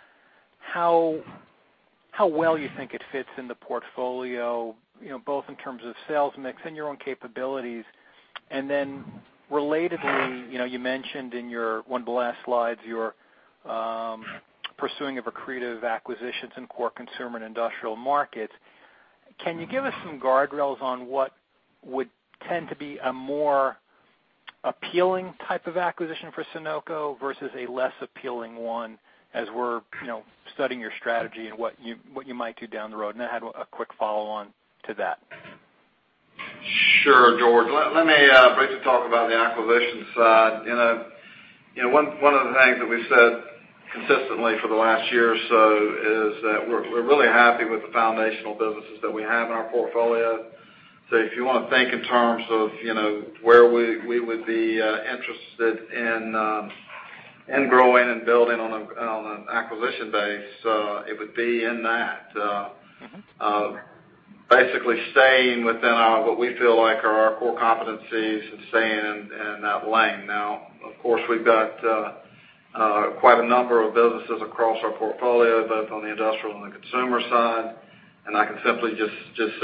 how well you think it fits in the portfolio, both in terms of sales mix and your own capabilities. Relatedly, you mentioned in one of the last slides, you're pursuing accretive acquisitions in core Consumer and Industrial markets. Can you give us some guardrails on what would tend to be a more appealing type of acquisition for Sonoco versus a less appealing one as we're studying your strategy and what you might do down the road? I had a quick follow on to that. Sure, George. Let me briefly talk about the acquisition side. One of the things that we've said consistently for the last year or so is that we're really happy with the foundational businesses that we have in our portfolio. If you want to think in terms of where we would be interested in growing and building on an acquisition base, it would be in that. basically staying within what we feel like are our core competencies and staying in that lane. Now, of course, we've got quite a number of businesses across our portfolio, both on the industrial and the consumer side, I can simply just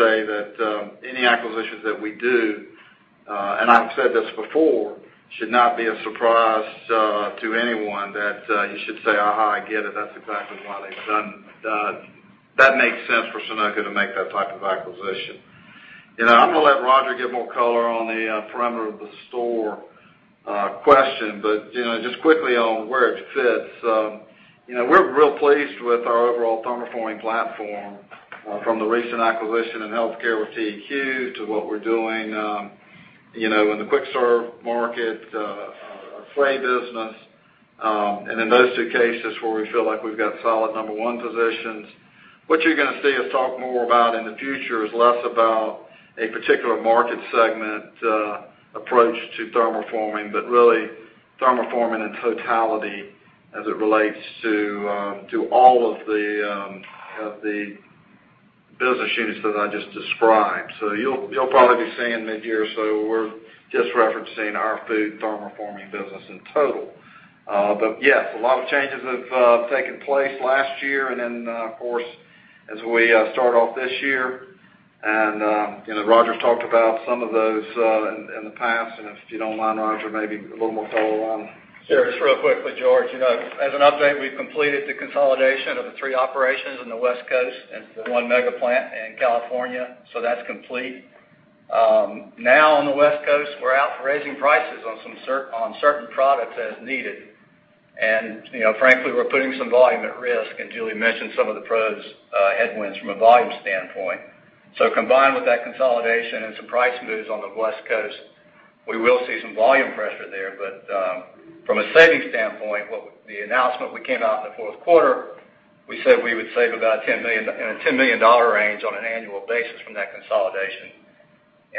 say that any acquisitions that we do, and I've said this before, should not be a surprise to anyone that you should say, "Aha, I get it. That's exactly why they've done that. That makes sense for Sonoco to make that type of acquisition." I'm going to let Rodger give more color on the perimeter of store. Just quickly on where it fits. We're real pleased with our overall thermoforming platform from the recent acquisition in healthcare with TEQ to what we're doing in the quick serve market, our Flexibles business. In those two cases where we feel like we've got solid number one positions. What you're going to see us talk more about in the future is less about a particular market segment approach to thermoforming, but really thermoforming in totality as it relates to all of the business units that I just described. You'll probably be seeing mid-year, so we're just referencing our food thermoforming business in total. Yes, a lot of changes have taken place last year. Of course, as we start off this year, and Rodger talked about some of those in the past, and if you don't mind, Rodger, maybe a little more color on- Sure. Just real quickly, George. As an update, we've completed the consolidation of the three operations in the West Coast into the one mega plant in California. That's complete. Now on the West Coast, we're out raising prices on certain products as needed. Frankly, we're putting some volume at risk, and Julie mentioned some of the cross headwinds from a volume standpoint. Combined with that consolidation and some price moves on the West Coast, we will see some volume pressure there. From a savings standpoint, the announcement we came out in the fourth quarter, we said we would save about in a $10 million range on an annual basis from that consolidation,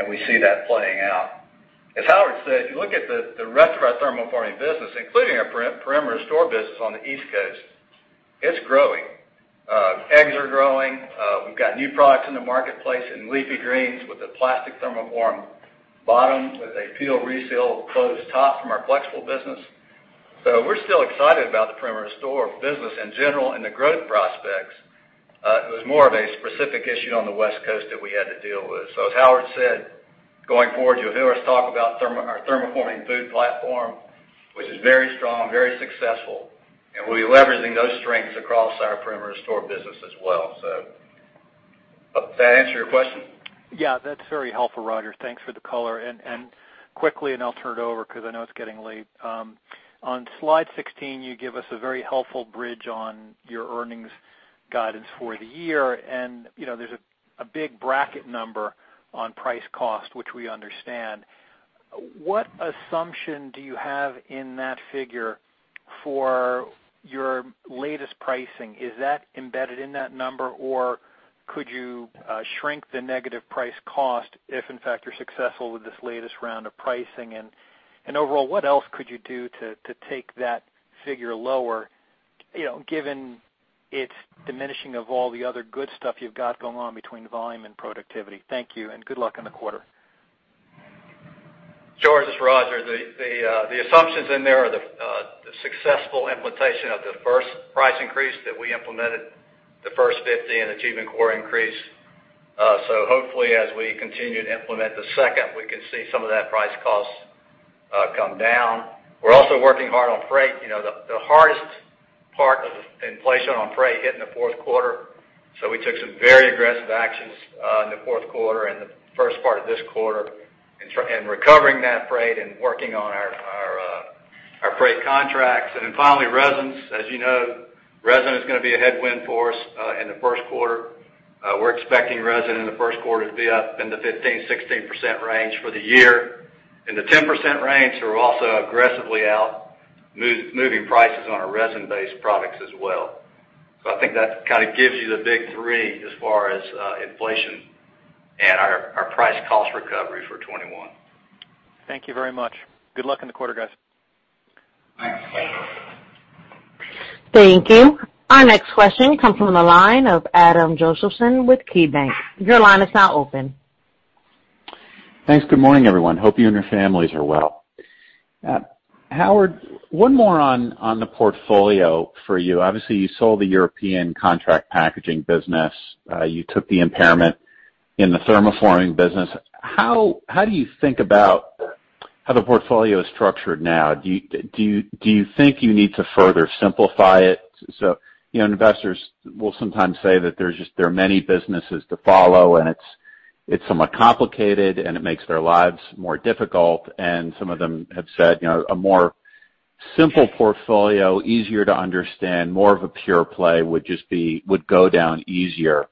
we see that playing out. As Howard said, if you look at the rest of our thermoforming business, including our Perimeter of Store business on the East Coast, it's growing. Eggs are growing. We've got new products in the marketplace in leafy greens with a plastic thermoform bottom with a peel reseal closed top from our Flexibles business. We're still excited about the perimeter store business in general and the growth prospects. It was more of a specific issue on the West Coast that we had to deal with. As Howard said, going forward, you'll hear us talk about our thermoforming food platform, which is very strong, very successful, and we'll be leveraging those strengths across our perimeter store business as well. Does that answer your question? Yeah, that's very helpful, Rodger. Thanks for the color. Quickly, I'll turn it over because I know it's getting late. On slide 16, you give us a very helpful bridge on your earnings guidance for the year. There's a big bracket number on price cost, which we understand. What assumption do you have in that figure for your latest pricing? Is that embedded in that number, or could you shrink the negative price cost if in fact you're successful with this latest round of pricing? Overall, what else could you do to take that figure lower, given its diminishing of all the other good stuff you've got going on between volume and productivity? Thank you, and good luck on the quarter. George, it's Rodger. The assumptions in there are the successful implementation of the first price increase that we implemented, the first $0.50 in achievement core increase. Hopefully, as we continue to implement the second, we can see some of that price cost come down. We're also working hard on freight. The hardest part of the inflation on freight hit in the fourth quarter. We took some very aggressive actions in the fourth quarter and the first part of this quarter in recovering that freight and working on our freight contracts. Finally, resins. As you know, resin is going to be a headwind for us in the first quarter. We're expecting resin in the first quarter to be up in the 15%-16% range for the year. In the 10% range, we're also aggressively out moving prices on our resin-based products as well. I think that kind of gives you the big three as far as inflation and our price cost recovery for 2021. Thank you very much. Good luck in the quarter, guys. Thanks. Thank you. Our next question comes from the line of Adam Josephson with KeyBanc. Your line is now open. Thanks. Good morning, everyone. Hope you and your families are well. Howard, one more on the portfolio for you. You sold the European contract packaging business. You took the impairment in the thermoforming business. How do you think about how the portfolio is structured now? Do you think you need to further simplify it? Investors will sometimes say that there are many businesses to follow, and it's somewhat complicated, and it makes their lives more difficult. Some of them have said a more simple portfolio, easier to understand, more of a pure play would go down easier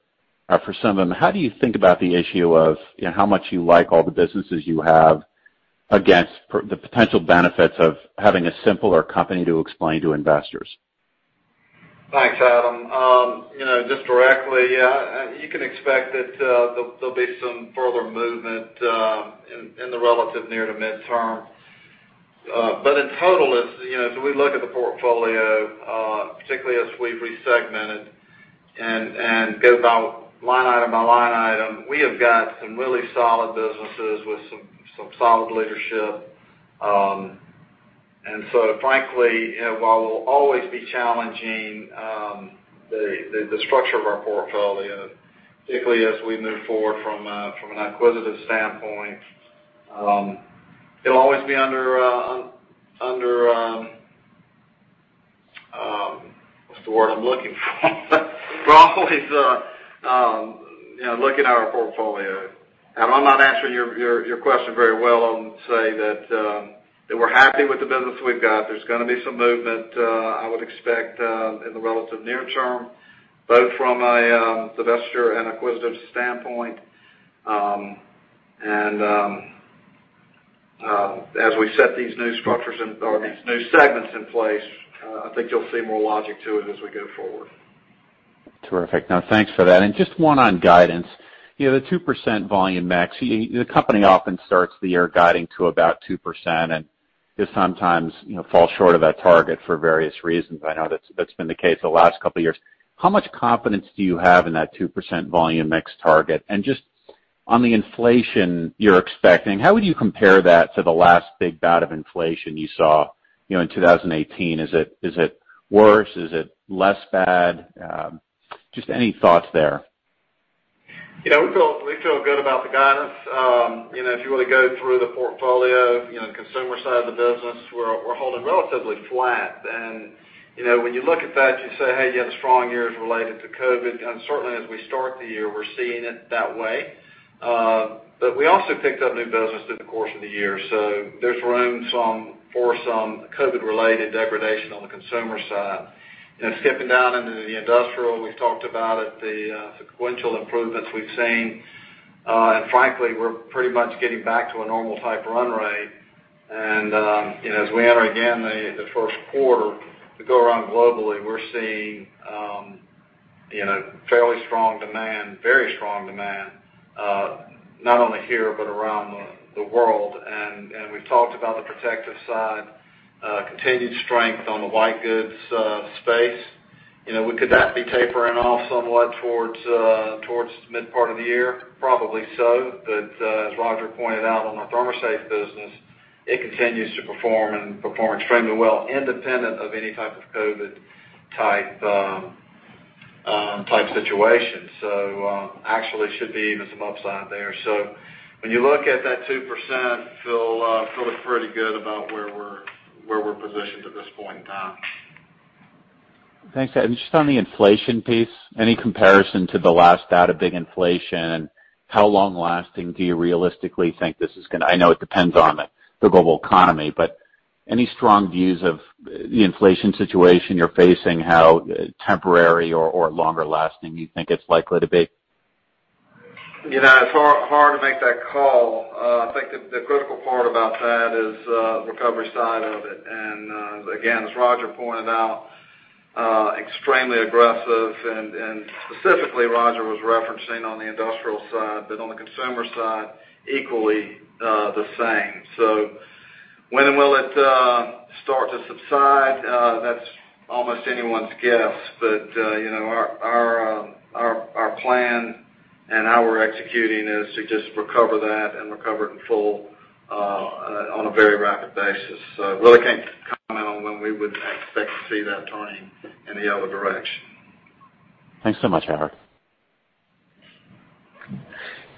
for some of them. How do you think about the issue of how much you like all the businesses you have against the potential benefits of having a simpler company to explain to investors? Thanks, Adam. Just directly, you can expect that there'll be some further movement in the relative near to midterm. In total, as we look at the portfolio, particularly as we've resegmented and go about line item by line item, we have got some really solid businesses with some solid leadership. Frankly, while we'll always be challenging the structure of our portfolio, particularly as we move forward from an acquisitive standpoint, it'll always be under that's the word I'm looking for. We're always looking at our portfolio. I'm not answering your question very well, I would say that we're happy with the business we've got. There's going to be some movement, I would expect, in the relative near term, both from an investor and acquisitive standpoint. As we set these new structures or these new segments in place, I think you'll see more logic to it as we go forward. Terrific. No, thanks for that. Just one on guidance. The 2% volume mix, the company often starts the year guiding to about 2% and just sometimes falls short of that target for various reasons. I know that's been the case the last couple of years. How much confidence do you have in that 2% volume mix target? Just on the inflation you're expecting, how would you compare that to the last big bout of inflation you saw in 2018? Is it worse? Is it less bad? Just any thoughts there. We feel good about the guidance. If you were to go through the portfolio, the Consumer Packaging side of the business, we're holding relatively flat. When you look at that, you say, "Hey, you had the strong years related to COVID." Certainly as we start the year, we're seeing it that way. We also picked up new business through the course of the year. There's room for some COVID-related degradation on the Consumer Packaging side. Skipping down into the Industrial Paper Packaging, we've talked about it, the sequential improvements we've seen. Frankly, we're pretty much getting back to a normal type run rate. As we enter again the first quarter, if we go around globally, we're seeing fairly strong demand, very strong demand, not only here but around the world. We've talked about the Protective Solutions side, continued strength on the white goods space. Could that be tapering off somewhat towards the mid part of the year? Probably so. As Rodger pointed out on our ThermoSafe business, it continues to perform and perform extremely well independent of any type of COVID type situation. Actually should be even some upside there. When you look at that 2%, feel pretty good about where we're positioned at this point in time. Thanks. Just on the inflation piece, any comparison to the last bout of big inflation? How long-lasting do you realistically think this is? I know it depends on the global economy, but any strong views of the inflation situation you're facing? How temporary or longer-lasting you think it's likely to be? It's hard to make that call. I think the critical part about that is the recovery side of it. Again, as Rodger pointed out, extremely aggressive and specifically Rodger was referencing on the Industrial side, but on the Consumer side, equally the same. When will it start to subside? That's almost anyone's guess. Our plan and how we're executing is to just recover that and recover it in full on a very rapid basis. Really can't comment on when we would expect to see that turning in the other direction. Thanks so much, Howard.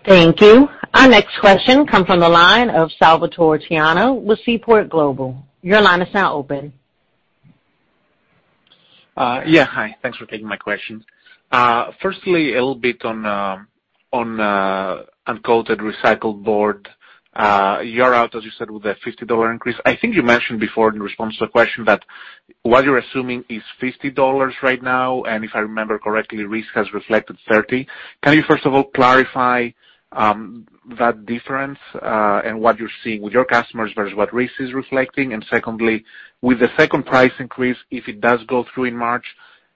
Thank you. Our next question comes from the line of Salvator Tiano with Seaport Global. Your line is now open. Yeah. Hi, thanks for taking my question. Firstly, a little bit on uncoated recycled board. You're out, as you said, with a $50 increase. I think you mentioned before in response to a question that what you're assuming is $50 right now, and if I remember correctly, RISI has reflected $30. Can you first of all clarify that difference and what you're seeing with your customers versus what RISI is reflecting? Secondly, with the second price increase, if it does go through in March,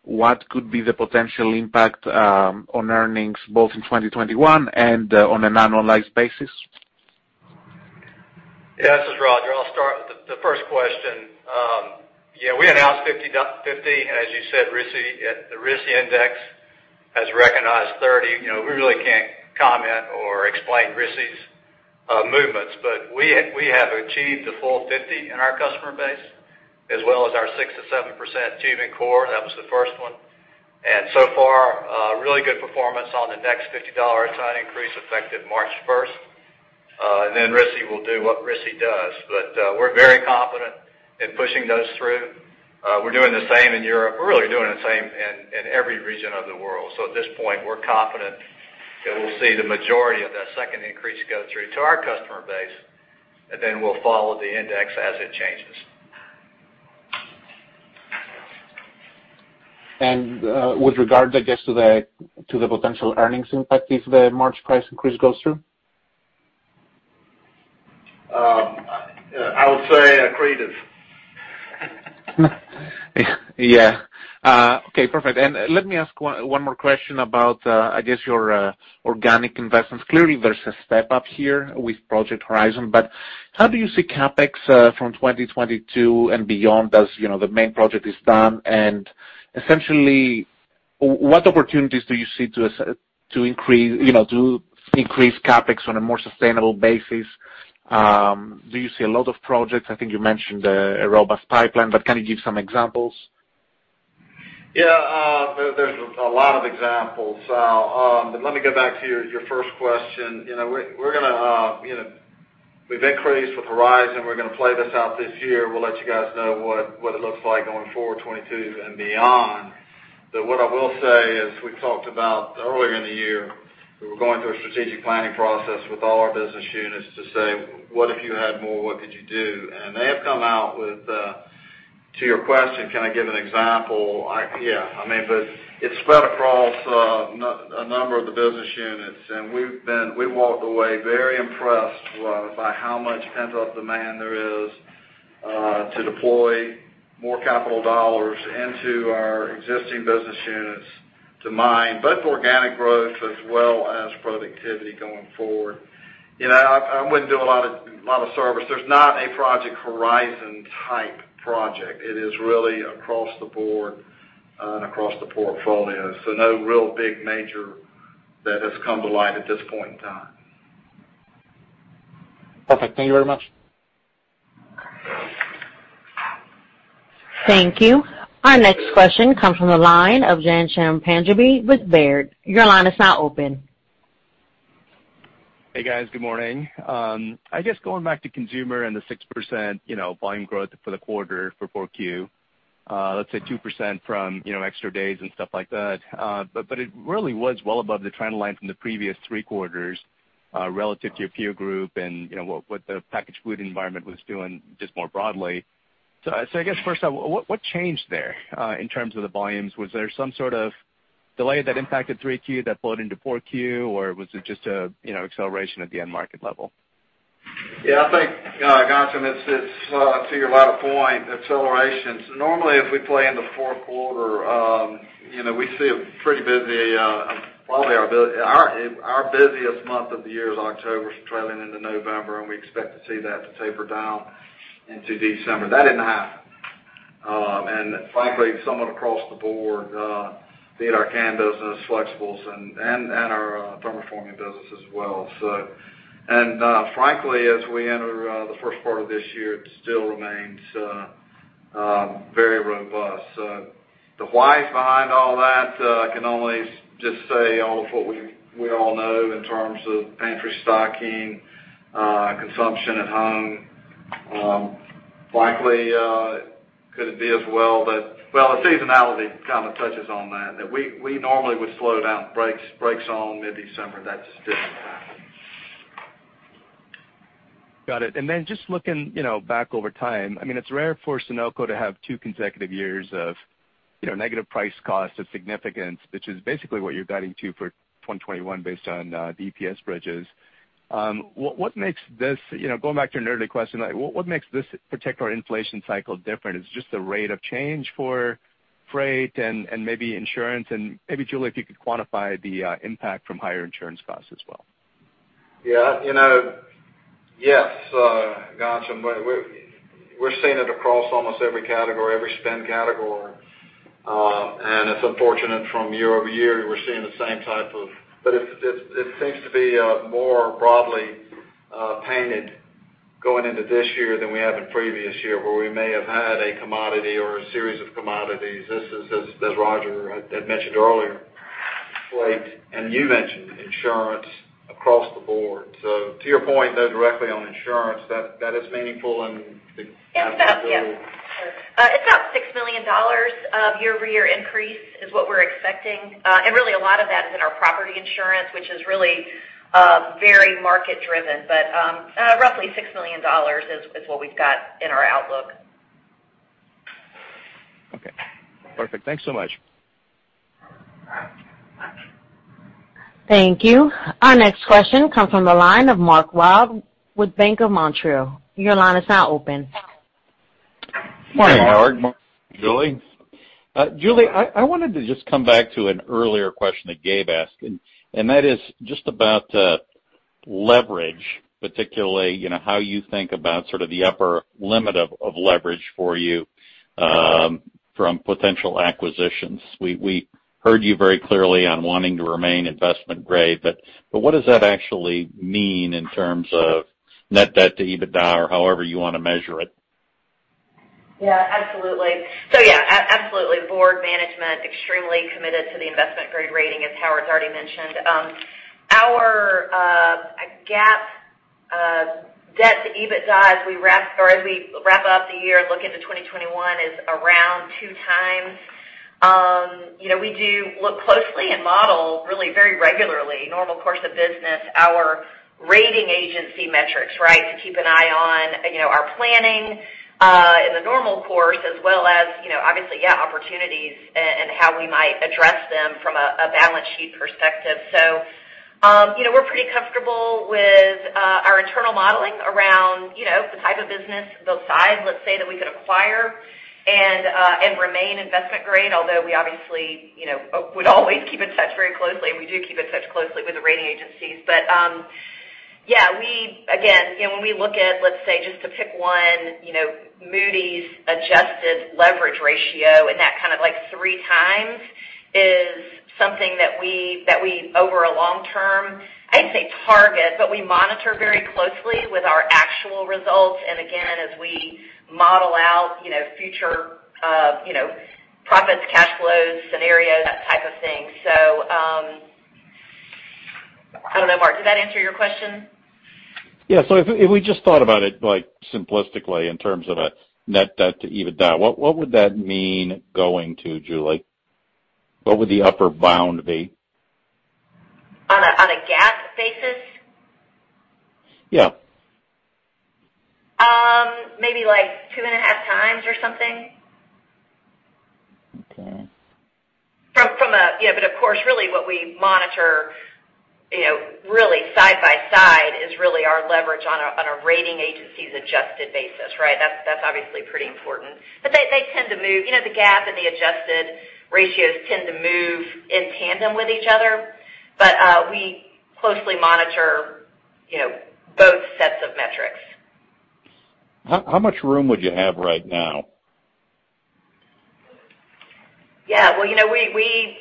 what could be the potential impact on earnings, both in 2021 and on an annualized basis? This is Rodger. I'll start with the first question. We announced $50, and as you said, the RISI index has recognized $30. We really can't comment or explain RISI's movements, but we have achieved the full $50 in our customer base, as well as our 6%-7% tubing core. That was the first one. So far, really good performance on the next $50 ton increase effective March 1st. Then RISI will do what RISI does. We're very confident in pushing those through. We're doing the same in Europe. We're really doing the same in every region of the world. At this point, we're confident that we'll see the majority of that second increase go through to our customer base, and then we'll follow the index as it changes. With regard, I guess, to the potential earnings impact if the March price increase goes through? I would say accretive. Yeah. Okay, perfect. Let me ask one more question about, I guess your organic investments. Clearly, there's a step-up here with Project Horizon, but how do you see CapEx from 2022 and beyond as the main project is done? Essentially, what opportunities do you see to increase CapEx on a more sustainable basis? Do you see a lot of projects? I think you mentioned a robust pipeline, but can you give some examples? Yeah. There's a lot of examples. Let me go back to your first question. We've increased with Horizon. We're going to play this out this year. We'll let you guys know what it looks like going forward, 2022 and beyond. What I will say is we talked about earlier in the year, we were going through a strategic planning process with all our business units to say, "What if you had more? What could you do?" To your question, can I give an example? Yeah. It's spread across a number of the business units, and we walked away very impressed by how much pent-up demand there is to deploy more capital dollars into our existing business units to mine both organic growth as well as productivity going forward. I wouldn't do a lot of service. There's not a Project Horizon type project. It is really across the board and across the portfolio. No real big major that has come to light at this point in time. Perfect. Thank you very much. Thank you. Our next question comes from the line of Ghansham Panjabi with Baird. Your line is now open. Hey, guys. Good morning. I guess going back to Consumer and the 6% volume growth for the quarter for 4Q, let's say 2% from extra days and stuff like that. It really was well above the trend line from the previous three quarters, relative to your peer group and what the packaged food environment was doing just more broadly. I guess first off, what changed there in terms of the volumes? Was there some sort of delay that impacted 3Q that flowed into 4Q? Was it just an acceleration at the end market level? Yeah, I think, Ghansham, to your latter point, accelerations. Normally, as we play into fourth quarter, we see Probably our busiest month of the year is October trailing into November, we expect to see that to taper down into December. That didn't happen. Frankly, somewhat across the board, be it our can business, Flexibles, and our thermoforming business as well. Frankly, as we enter the first part of this year, it still remains very robust. The why behind all that, I can only just say off what we all know in terms of pantry stocking, consumption at home. Likely, could it be as well that Well, the seasonality kind of touches on that we normally would slow down, brakes on mid-December. That just didn't happen. Got it. Then just looking back over time, it's rare for Sonoco to have two consecutive years of negative price cost of significance, which is basically what you're guiding to for 2021 based on the EPS bridges. Going back to an earlier question, what makes this particular inflation cycle different? Is it just the rate of change for freight and maybe insurance? Maybe, Julie, if you could quantify the impact from higher insurance costs as well. Yes, Ghansham. We're seeing it across almost every category, every spend category. It's unfortunate from year-over-year, we're seeing the same. It seems to be more broadly painted going into this year than we have in previous year, where we may have had a commodity or a series of commodities. This is, as Rodger had mentioned earlier, freight, and you mentioned insurance across the board. To your point, though, directly on insurance, that is meaningful. Yeah. It's about $6 million of year-over-year increase is what we're expecting. Really a lot of that is in our property insurance, which is really very market driven. Roughly $6 million is what we've got in our outlook. Okay. Perfect. Thanks so much. Thank you. Our next question comes from the line of Mark Wilde with Bank of Montreal. Your line is now open. Morning, Howard. Julie. Julie, I wanted to just come back to an earlier question that Gabe asked. That is just about leverage, particularly how you think about sort of the upper limit of leverage for you from potential acquisitions. We heard you very clearly on wanting to remain investment-grade. What does that actually mean in terms of net debt to EBITDA, or however you want to measure it? Yeah, absolutely. Board management extremely committed to the investment-grade rating, as Howard's already mentioned. Our GAAP debt to EBITDA as we wrap up the year and look into 2021 is around two times. We do look closely and model really very regularly, normal course of business, our rating agency metrics, right? To keep an eye on our planning in the normal course as well as obviously, yeah, opportunities and how we might address them from a balance sheet perspective. We're pretty comfortable with our internal modeling around the type of business, the size, let's say, that we could acquire and remain investment-grade. Although we obviously would always keep in touch very closely, and we do keep in touch closely with the rating agencies. Yeah, again, when we look at, let's say, just to pick one, Moody's adjusted leverage ratio and that kind of three times is something that we, over a long term, I'd say target, but we monitor very closely with our actual results. Again, as we model out future profits, cash flows, scenarios, that type of thing. I don't know, Mark, did that answer your question? Yeah. If we just thought about it simplistically in terms of a net debt to EBITDA, what would that mean going to, Julie? What would the upper bound be? On a GAAP basis? Yeah. Maybe like two and a half times or something. Okay. Of course, really what we monitor side by side is really our leverage on a rating agency's adjusted basis, right? That's obviously pretty important. They tend to move. The GAAP and the adjusted ratios tend to move in tandem with each other. We closely monitor both sets of metrics. How much room would you have right now? Yeah. Well, we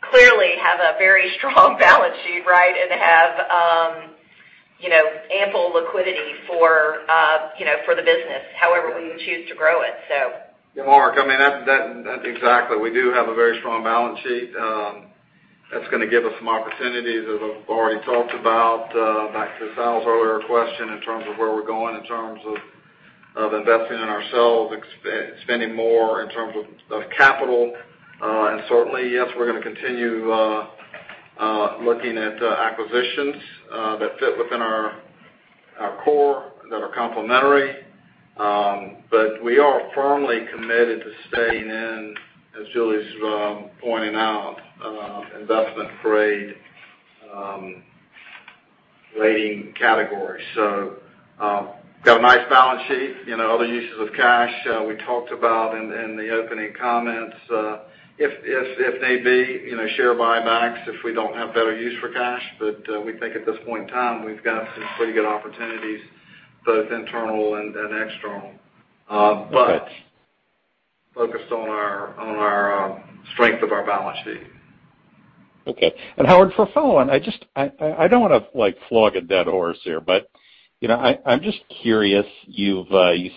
clearly have a very strong balance sheet, right? Have ample liquidity for the business however we choose to grow it. Mark, that's exactly. We do have a very strong balance sheet. That's going to give us some opportunities, as I've already talked about, back to Sal's earlier question in terms of where we're going, in terms of investing in ourselves, spending more in terms of capital. Certainly, yes, we're going to continue looking at acquisitions that fit within our core, that are complementary. We are firmly committed to staying in, as Julie's pointing out, investment-grade rating categories. Got a nice balance sheet. Other uses of cash we talked about in the opening comments. If need be, share buybacks if we don't have better use for cash. We think at this point in time, we've got some pretty good opportunities, both internal and external. Focused on our strength of our balance sheet. Okay. Howard, for follow-on, I don't want to flog a dead horse here. I'm just curious. You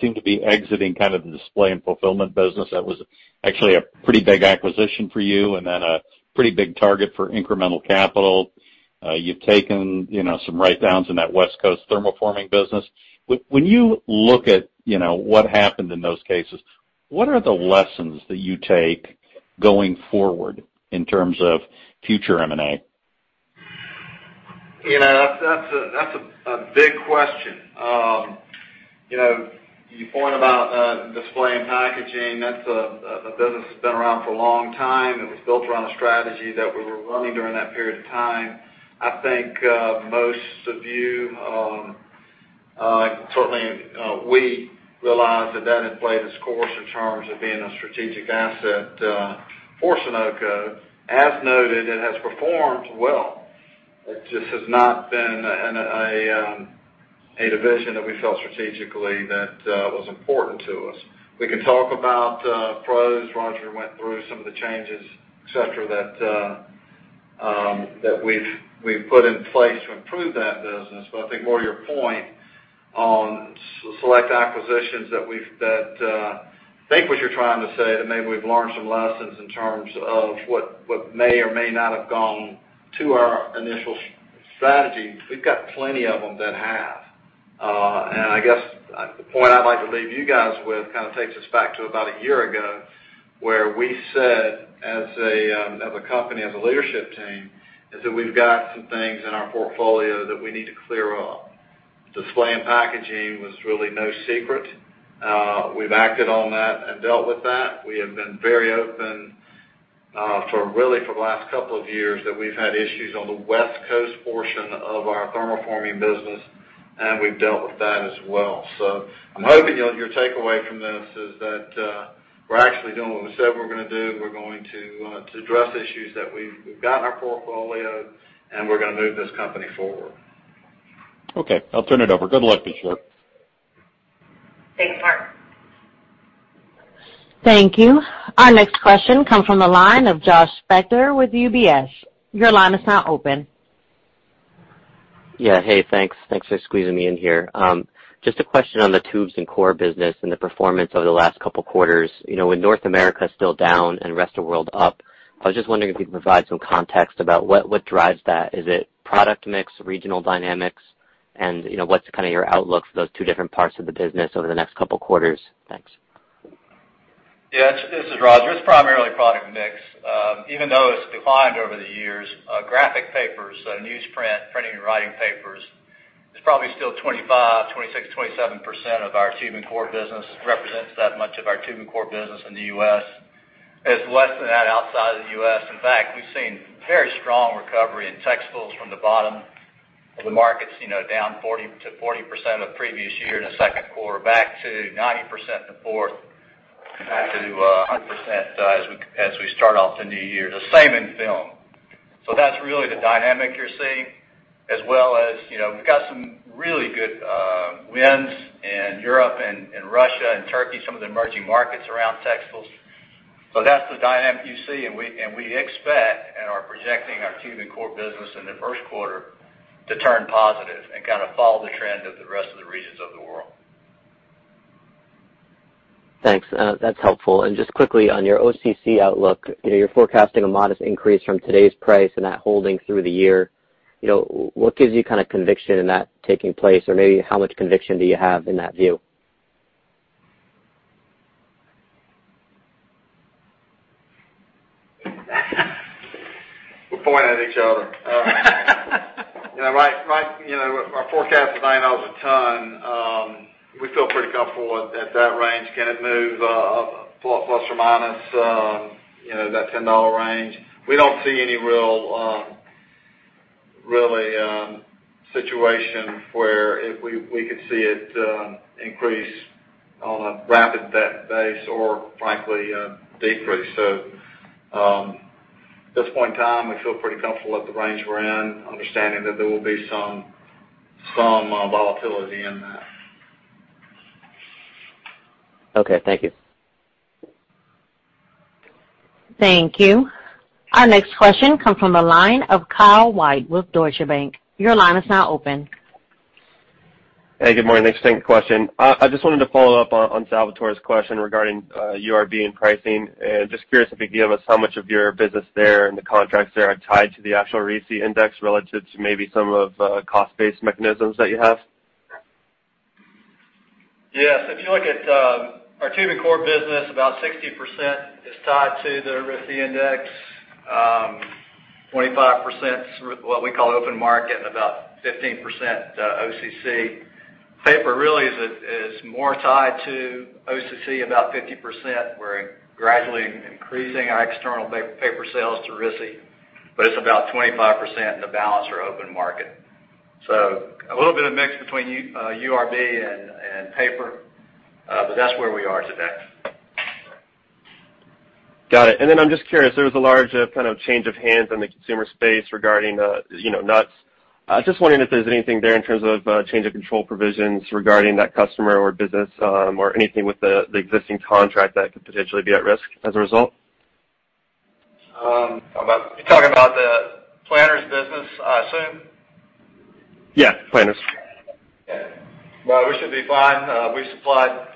seem to be exiting kind of the display and fulfillment business that was actually a pretty big acquisition for you and then a pretty big target for incremental capital. You've taken some writedowns in that West Coast thermoforming business. When you look at what happened in those cases, what are the lessons that you take going forward in terms of future M&A? That is a big question. Your point about Display and Packaging, that is a business that has been around for a long time. It was built around a strategy that we were running during that period of time. I think most of you, certainly we, realized that that had played its course in terms of being a strategic asset for Sonoco. As noted, it has performed well. It just has not been a division that we felt strategically that was important to us. We can talk about pros. Rodger went through some of the changes, et cetera, that we have put in place to improve that business. I think more to your point on select acquisitions that I think what you are trying to say that maybe we have learned some lessons in terms of what may or may not have gone to our initial strategy. We have got plenty of them that have. I guess the point I'd like to leave you guys with kind of takes us back to about a year ago, where we said as a company, as a leadership team, is that we've got some things in our portfolio that we need to clear up. Display and Packaging was really no secret. We've acted on that and dealt with that. We have been very open really for the last couple of years that we've had issues on the West Coast portion of our thermoforming business, and we've dealt with that as well. I'm hoping your takeaway from this is that we're actually doing what we said we were going to do. We're going to address issues that we've got in our portfolio, and we're going to move this company forward. Okay. I'll turn it over. Good luck this year. Thanks, Mark. Thank you. Our next question comes from the line of Joshua Spector with UBS. Your line is now open. Yeah. Hey, thanks. Thanks for squeezing me in here. Just a question on the tubes and core business and the performance over the last couple of quarters. With North America still down and Rest of World up, I was just wondering if you could provide some context about what drives that. Is it product mix, regional dynamics? What's kind of your outlook for those two different parts of the business over the next couple quarters? Thanks. Yeah. This is Rodger. It's primarily product mix. Even though it's declined over the years, graphic papers, newsprint, printing and writing papers, it's probably still 25, 26, 27% of our tube and core business. Represents that much of our tube and core business in the U.S. It's less than that outside of the U.S. In fact, we've seen very strong recovery in textiles from the bottom of the markets, down 40% of previous year in the second quarter back to 90% in the fourth, back to 100% as we start off the new year. The same in film. That's really the dynamic you're seeing, as well as we've got some really good wins in Europe and Russia and Turkey, some of the emerging markets around textiles. That's the dynamic you see, and we expect in our Projecting our tube and core business in the first quarter to turn positive and kind of follow the trend of the rest of the regions of the world. Thanks. That's helpful. Just quickly on your OCC outlook, you're forecasting a modest increase from today's price and that holding through the year. What gives you conviction in that taking place? Or maybe how much conviction do you have in that view? We're pointing at each other. Our forecast of $9 a ton, we feel pretty comfortable at that range. Can it move ± that $10 range? We don't see any real situation where we could see it increase on a rapid pace or frankly, decrease. At this point in time, we feel pretty comfortable at the range we're in, understanding that there will be some volatility in that. Okay. Thank you. Thank you. Our next question comes from the line of Kyle White with Deutsche Bank. Your line is now open. Hey, good morning. Thanks for taking the question. I just wanted to follow up on Salvator's question regarding URB and pricing, and just curious if you can give us how much of your business there and the contracts there are tied to the actual RISI index relative to maybe some of cost-based mechanisms that you have? Yes. If you look at our tube and core business, about 60% is tied to the RISI index, 25% is what we call open market, and about 15% OCC. Paper really is more tied to OCC, about 50%. We're gradually increasing our external paper sales to RISI, but it's about 25%, and the balance are open market. A little bit of mix between URB and paper. That's where we are today. Got it. I'm just curious, there was a large kind of change of hands on the consumer space regarding nuts. Just wondering if there's anything there in terms of change of control provisions regarding that customer or business or anything with the existing contract that could potentially be at risk as a result? You're talking about the Planters business, I assume? Yeah, Planters. Yeah. No, we should be fine. We supplied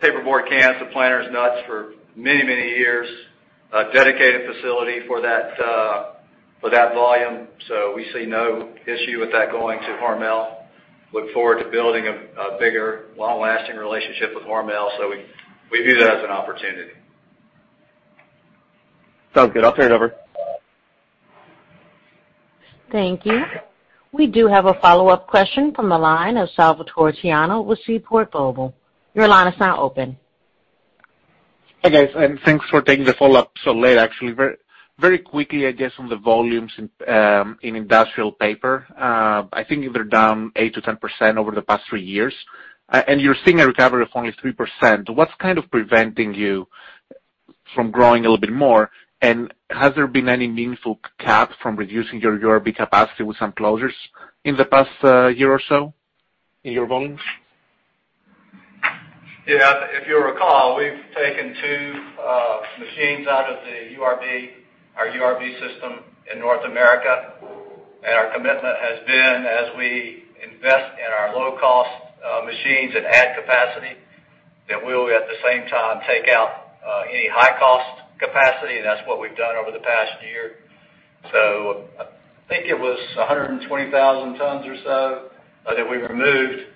paperboard cans to Planters Nuts for many years, a dedicated facility for that volume. We see no issue with that going to Hormel. Look forward to building a bigger, long-lasting relationship with Hormel. We view that as an opportunity. Sounds good. I'll turn it over. Thank you. We do have a follow-up question from the line of Salvator Tiano with Seaport Global. Your line is now open. Hi, guys, thanks for taking the follow-up so late, actually. Very quickly, I guess, on the volumes in Industrial Paper. I think they're down 8%-10% over the past three years. You're seeing a recovery of only 3%. What's kind of preventing you from growing a little bit more? Has there been any meaningful cap from reducing your URB capacity with some closures in the past year or so in your volumes? If you'll recall, we've taken two machines out of our URB system in North America, and our commitment has been, as we invest in our low-cost machines and add capacity, that we will, at the same time, take out any high-cost capacity, and that's what we've done over the past year. I think it was 120,000 tons or so that we removed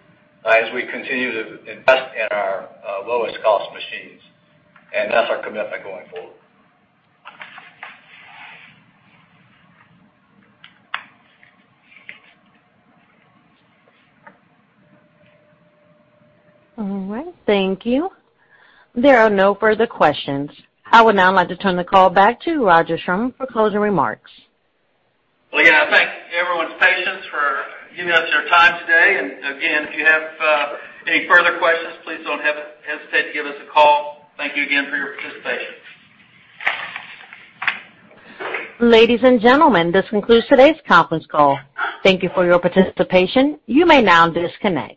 as we continue to invest in our lowest-cost machines, and that's our commitment going forward. All right. Thank you. There are no further questions. I would now like to turn the call back to Roger Schrum for closing remarks. Well, again, I thank everyone's patience for giving us their time today. Again, if you have any further questions, please don't hesitate to give us a call. Thank you again for your participation. Ladies and gentlemen, this concludes today's conference call. Thank you for your participation. You may now disconnect.